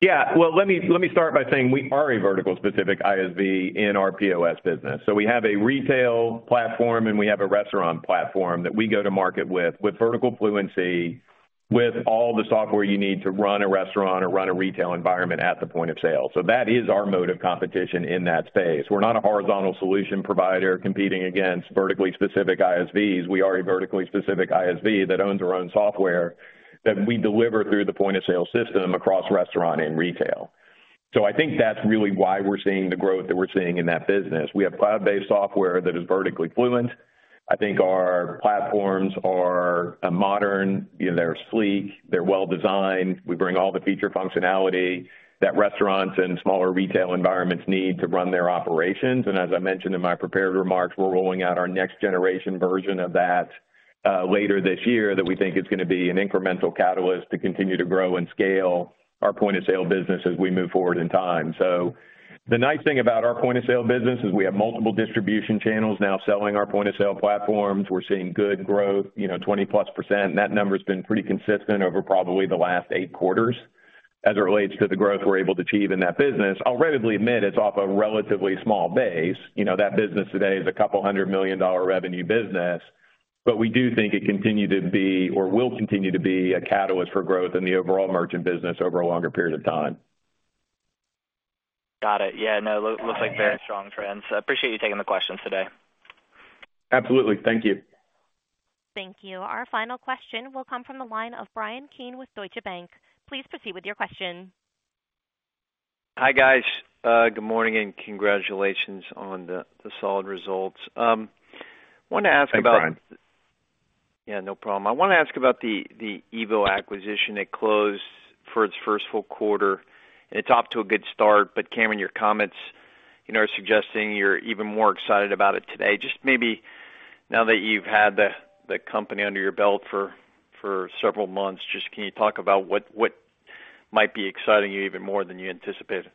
Yeah. Well, let me, let me start by saying we are a vertical-specific ISV in our POS business. We have a retail platform, and we have a restaurant platform that we go to market with, with vertical fluency, with all the software you need to run a restaurant or run a retail environment at the point-of-sale. That is our mode of competition in that space. We're not a horizontal solution provider competing against vertically specific ISVs. We are a vertically specific ISV that owns our own software, that we deliver through the point-of-sale system across restaurant and retail. I think that's really why we're seeing the growth that we're seeing in that business. We have cloud-based software that is vertically fluent. I think our platforms are a modern, you know, they're sleek, they're well designed. We bring all the feature functionality that restaurants and smaller retail environments need to run their operations. As I mentioned in my prepared remarks, we're rolling out our next generation version of that later this year, that we think is going to be an incremental catalyst to continue to grow and scale our point-of-sale business as we move forward in time. The nice thing about our point-of-sale business is we have multiple distribution channels now selling our point-of-sale platforms. We're seeing good growth, you know, 20%+. That number's been pretty consistent over probably the last eight quarters. As it relates to the growth we're able to achieve in that business, I'll readily admit it's off a relatively small base. You know, that business today is a couple of $100 million-revenue business, but we do think it continued to be or will continue to be a catalyst for growth in the overall merchant business over a longer period of time. Got it. Yeah, no, looks like very strong trends. I appreciate you taking the questions today. Absolutely. Thank you. Thank you. Our final question will come from the line of Bryan Keane with Deutsche Bank. Please proceed with your question. Hi, guys, good morning and congratulations on the, the solid results. Wanted to ask about. Thanks, Bryan. Yeah, no problem. I want to ask about the, the EVO acquisition that closed for its first full quarter. It's off to a good start, but Cameron, your comments, you know, are suggesting you're even more excited about it today. Just maybe now that you've had the, the company under your belt for, for several months, just can you talk about what, what might be exciting you even more than you anticipated?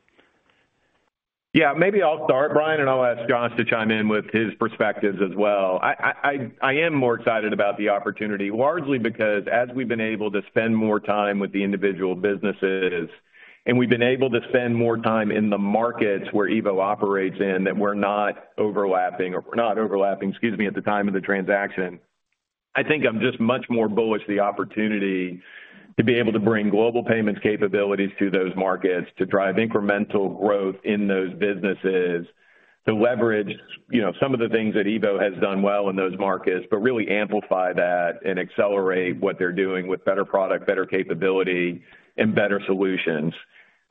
Yeah, maybe I'll start, Bryan, and I'll ask Josh to chime in with his perspectives as well. I am more excited about the opportunity, largely because as we've been able to spend more time with the individual businesses, and we've been able to spend more time in the markets where EVO operates in, that we're not overlapping or not overlapping, excuse me, at the time of the transaction. I think I'm just much more bullish the opportunity to be able to bring Global Payments capabilities to those markets, to drive incremental growth in those businesses, to leverage, you know, some of the things that EVO has done well in those markets, but really amplify that and accelerate what they're doing with better product, better capability, and better solutions.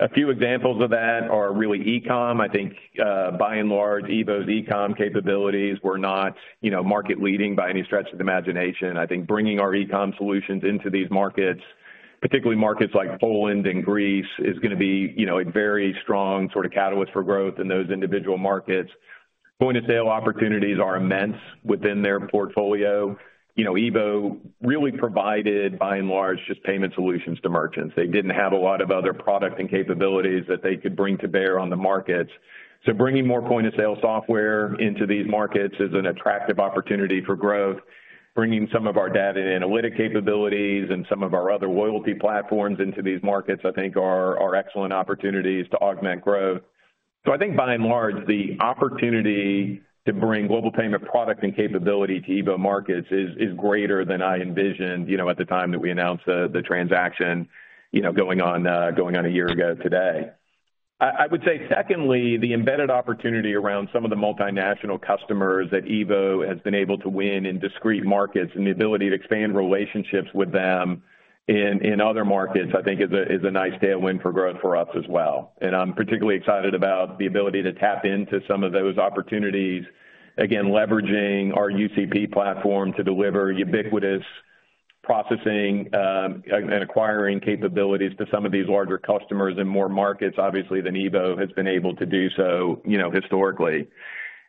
A few examples of that are really e-com. I think, by and large, EVO's e-com capabilities were not, you know, market-leading by any stretch of the imagination. I think bringing our e-com solutions into these markets, particularly markets like Poland and Greece, is going to be, you know, a very strong sort of catalyst for growth in those individual markets. Point-of-sale opportunities are immense within their portfolio. You know, EVO really provided, by and large, just payment solutions to merchants. They didn't have a lot of other product and capabilities that they could bring to bear on the markets. Bringing more point-of-sale software into these markets is an attractive opportunity for growth. Bringing some of our data and analytic capabilities and some of our other loyalty platforms into these markets, I think are, are excellent opportunities to augment growth. I think by and large, the opportunity to bring Global Payments product and capability to EVO markets is, is greater than I envisioned, you know, at the time that we announced the, the transaction, you know, going on, going on a year ago today. I would say secondly, the embedded opportunity around some of the multinational customers that EVO has been able to win in discrete markets and the ability to expand relationships with them in, in other markets, I think is a, is a nice tailwind for growth for us as well. I'm particularly excited about the ability to tap into some of those opportunities. Again, leveraging our UCP platform to deliver ubiquitous processing, and acquiring capabilities to some of these larger customers in more markets, obviously, than EVO has been able to do so, you know, historically.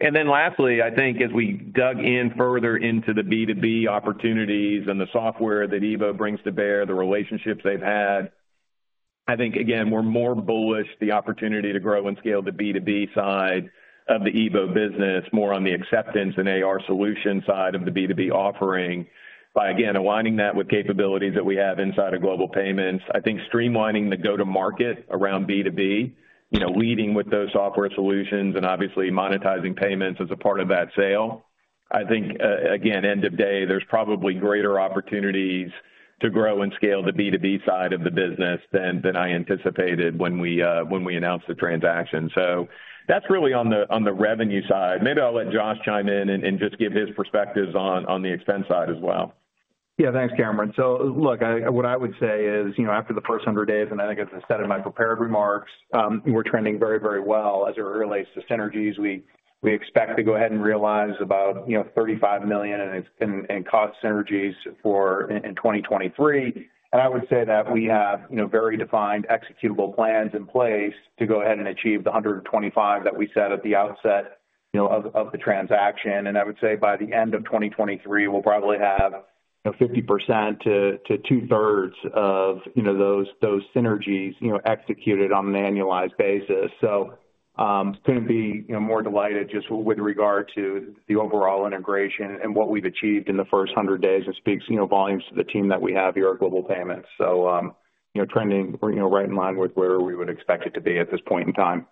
Then lastly, I think as we dug in further into the B2B opportunities and the software that EVO brings to bear, the relationships they've had, I think, again, we're more bullish the opportunity to grow and scale the B2B side of the EVO business, more on the acceptance and AR solution side of the B2B offering. By, again, aligning that with capabilities that we have inside of Global Payments, I think streamlining the go-to-market around B2B, you know, leading with those software solutions and obviously monetizing payments as a part of that sale. I think, again, end of day, there's probably greater opportunities to grow and scale the B2B side of the business than, than I anticipated when we, when we announced the transaction. That's really on the, on the revenue side. Maybe I'll let Josh chime in and, and just give his perspectives on, on the expense side as well. Yeah, thanks, Cameron. Look, what I would say is, you know, after the first 100 days, and I think as I said in my prepared remarks, we're trending very, very well as it relates to synergies. We expect to go ahead and realize about, you know, $35 million in cost synergies in 2023. I would say that we have, you know, very defined executable plans in place to go ahead and achieve the 125 that we set at the outset, you know, of the transaction. I would say by the end of 2023, we'll probably have, you know, 50% to 2/3 of, you know, those synergies, you know, executed on an annualized basis. Couldn't be, you know, more delighted just with regard to the overall integration and what we've achieved in the first 100 days. It speaks, you know, volumes to the team that we have here at Global Payments. you know, trending, you know, right in line with where we would expect it to be at this point in time.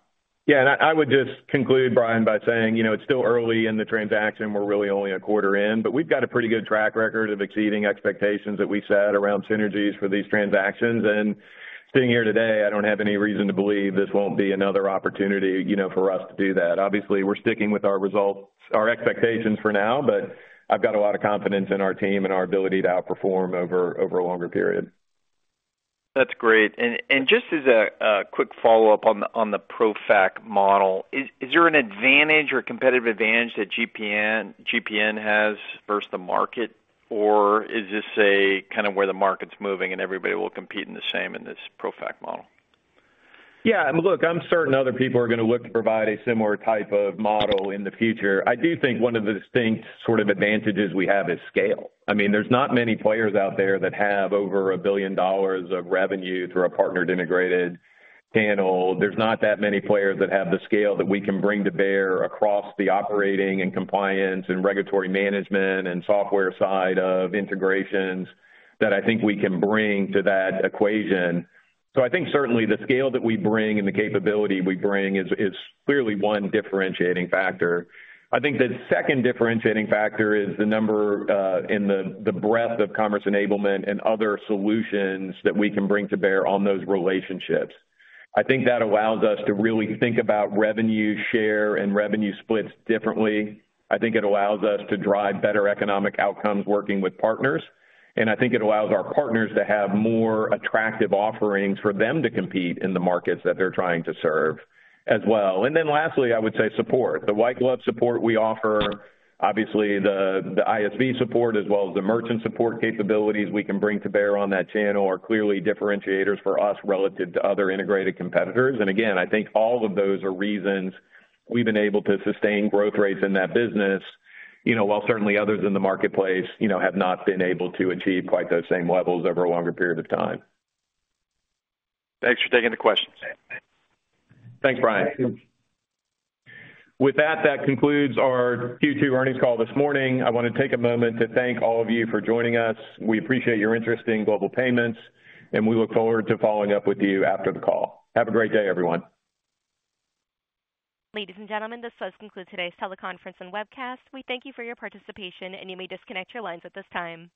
Yeah, I, I would just conclude, Bryan, by saying, you know, it's still early in the transaction. We're really only a quarter in, but we've got a pretty good track record of exceeding expectations that we set around synergies for these transactions. Sitting here today, I don't have any reason to believe this won't be another opportunity, you know, for us to do that. Obviously, we're sticking with our results, our expectations for now, but I've got a lot of confidence in our team and our ability to outperform over, over a longer period. That's great. Just as a, a quick follow-up on the, on the ProFac model, is, is there an advantage or competitive advantage that GPN, GPN has versus the market? Or is this a kind of where the market's moving and everybody will compete in the same in this ProFac model? Yeah, look, I'm certain other people are going to look to provide a similar type of model in the future. I do think one of the distinct sort of advantages we have is scale. I mean, there's not many players out there that have over $1 billion of revenue through a partnered, integrated channel. There's not that many players that have the scale that we can bring to bear across the operating and compliance and regulatory management and software side of integrations that I think we can bring to that equation. I think certainly the scale that we bring and the capability we bring is clearly one differentiating factor. I think the second differentiating factor is the number, and the breadth of commerce enablement and other solutions that we can bring to bear on those relationships. I think that allows us to really think about revenue-share and revenue-splits differently. I think it allows us to drive better economic outcomes working with partners. I think it allows our partners to have more attractive offerings for them to compete in the markets that they're trying to serve as well. Then lastly, I would say support. The white glove support we offer, obviously, the ISV support, as well as the merchant support capabilities we can bring to bear on that channel are clearly differentiators for us relative to other integrated competitors. Again, I think all of those are reasons we've been able to sustain growth rates in that business, you know, while certainly others in the marketplace, you know, have not been able to achieve quite those same levels over a longer period of time. Thanks for taking the questions. Thanks, Bryan. With that, that concludes our Q2 earnings call this morning. I want to take a moment to thank all of you for joining us. We appreciate your interest in Global Payments, we look forward to following up with you after the call. Have a great day, everyone. Ladies and gentlemen, this does conclude today's teleconference and webcast. We thank you for your participation, and you may disconnect your lines at this time.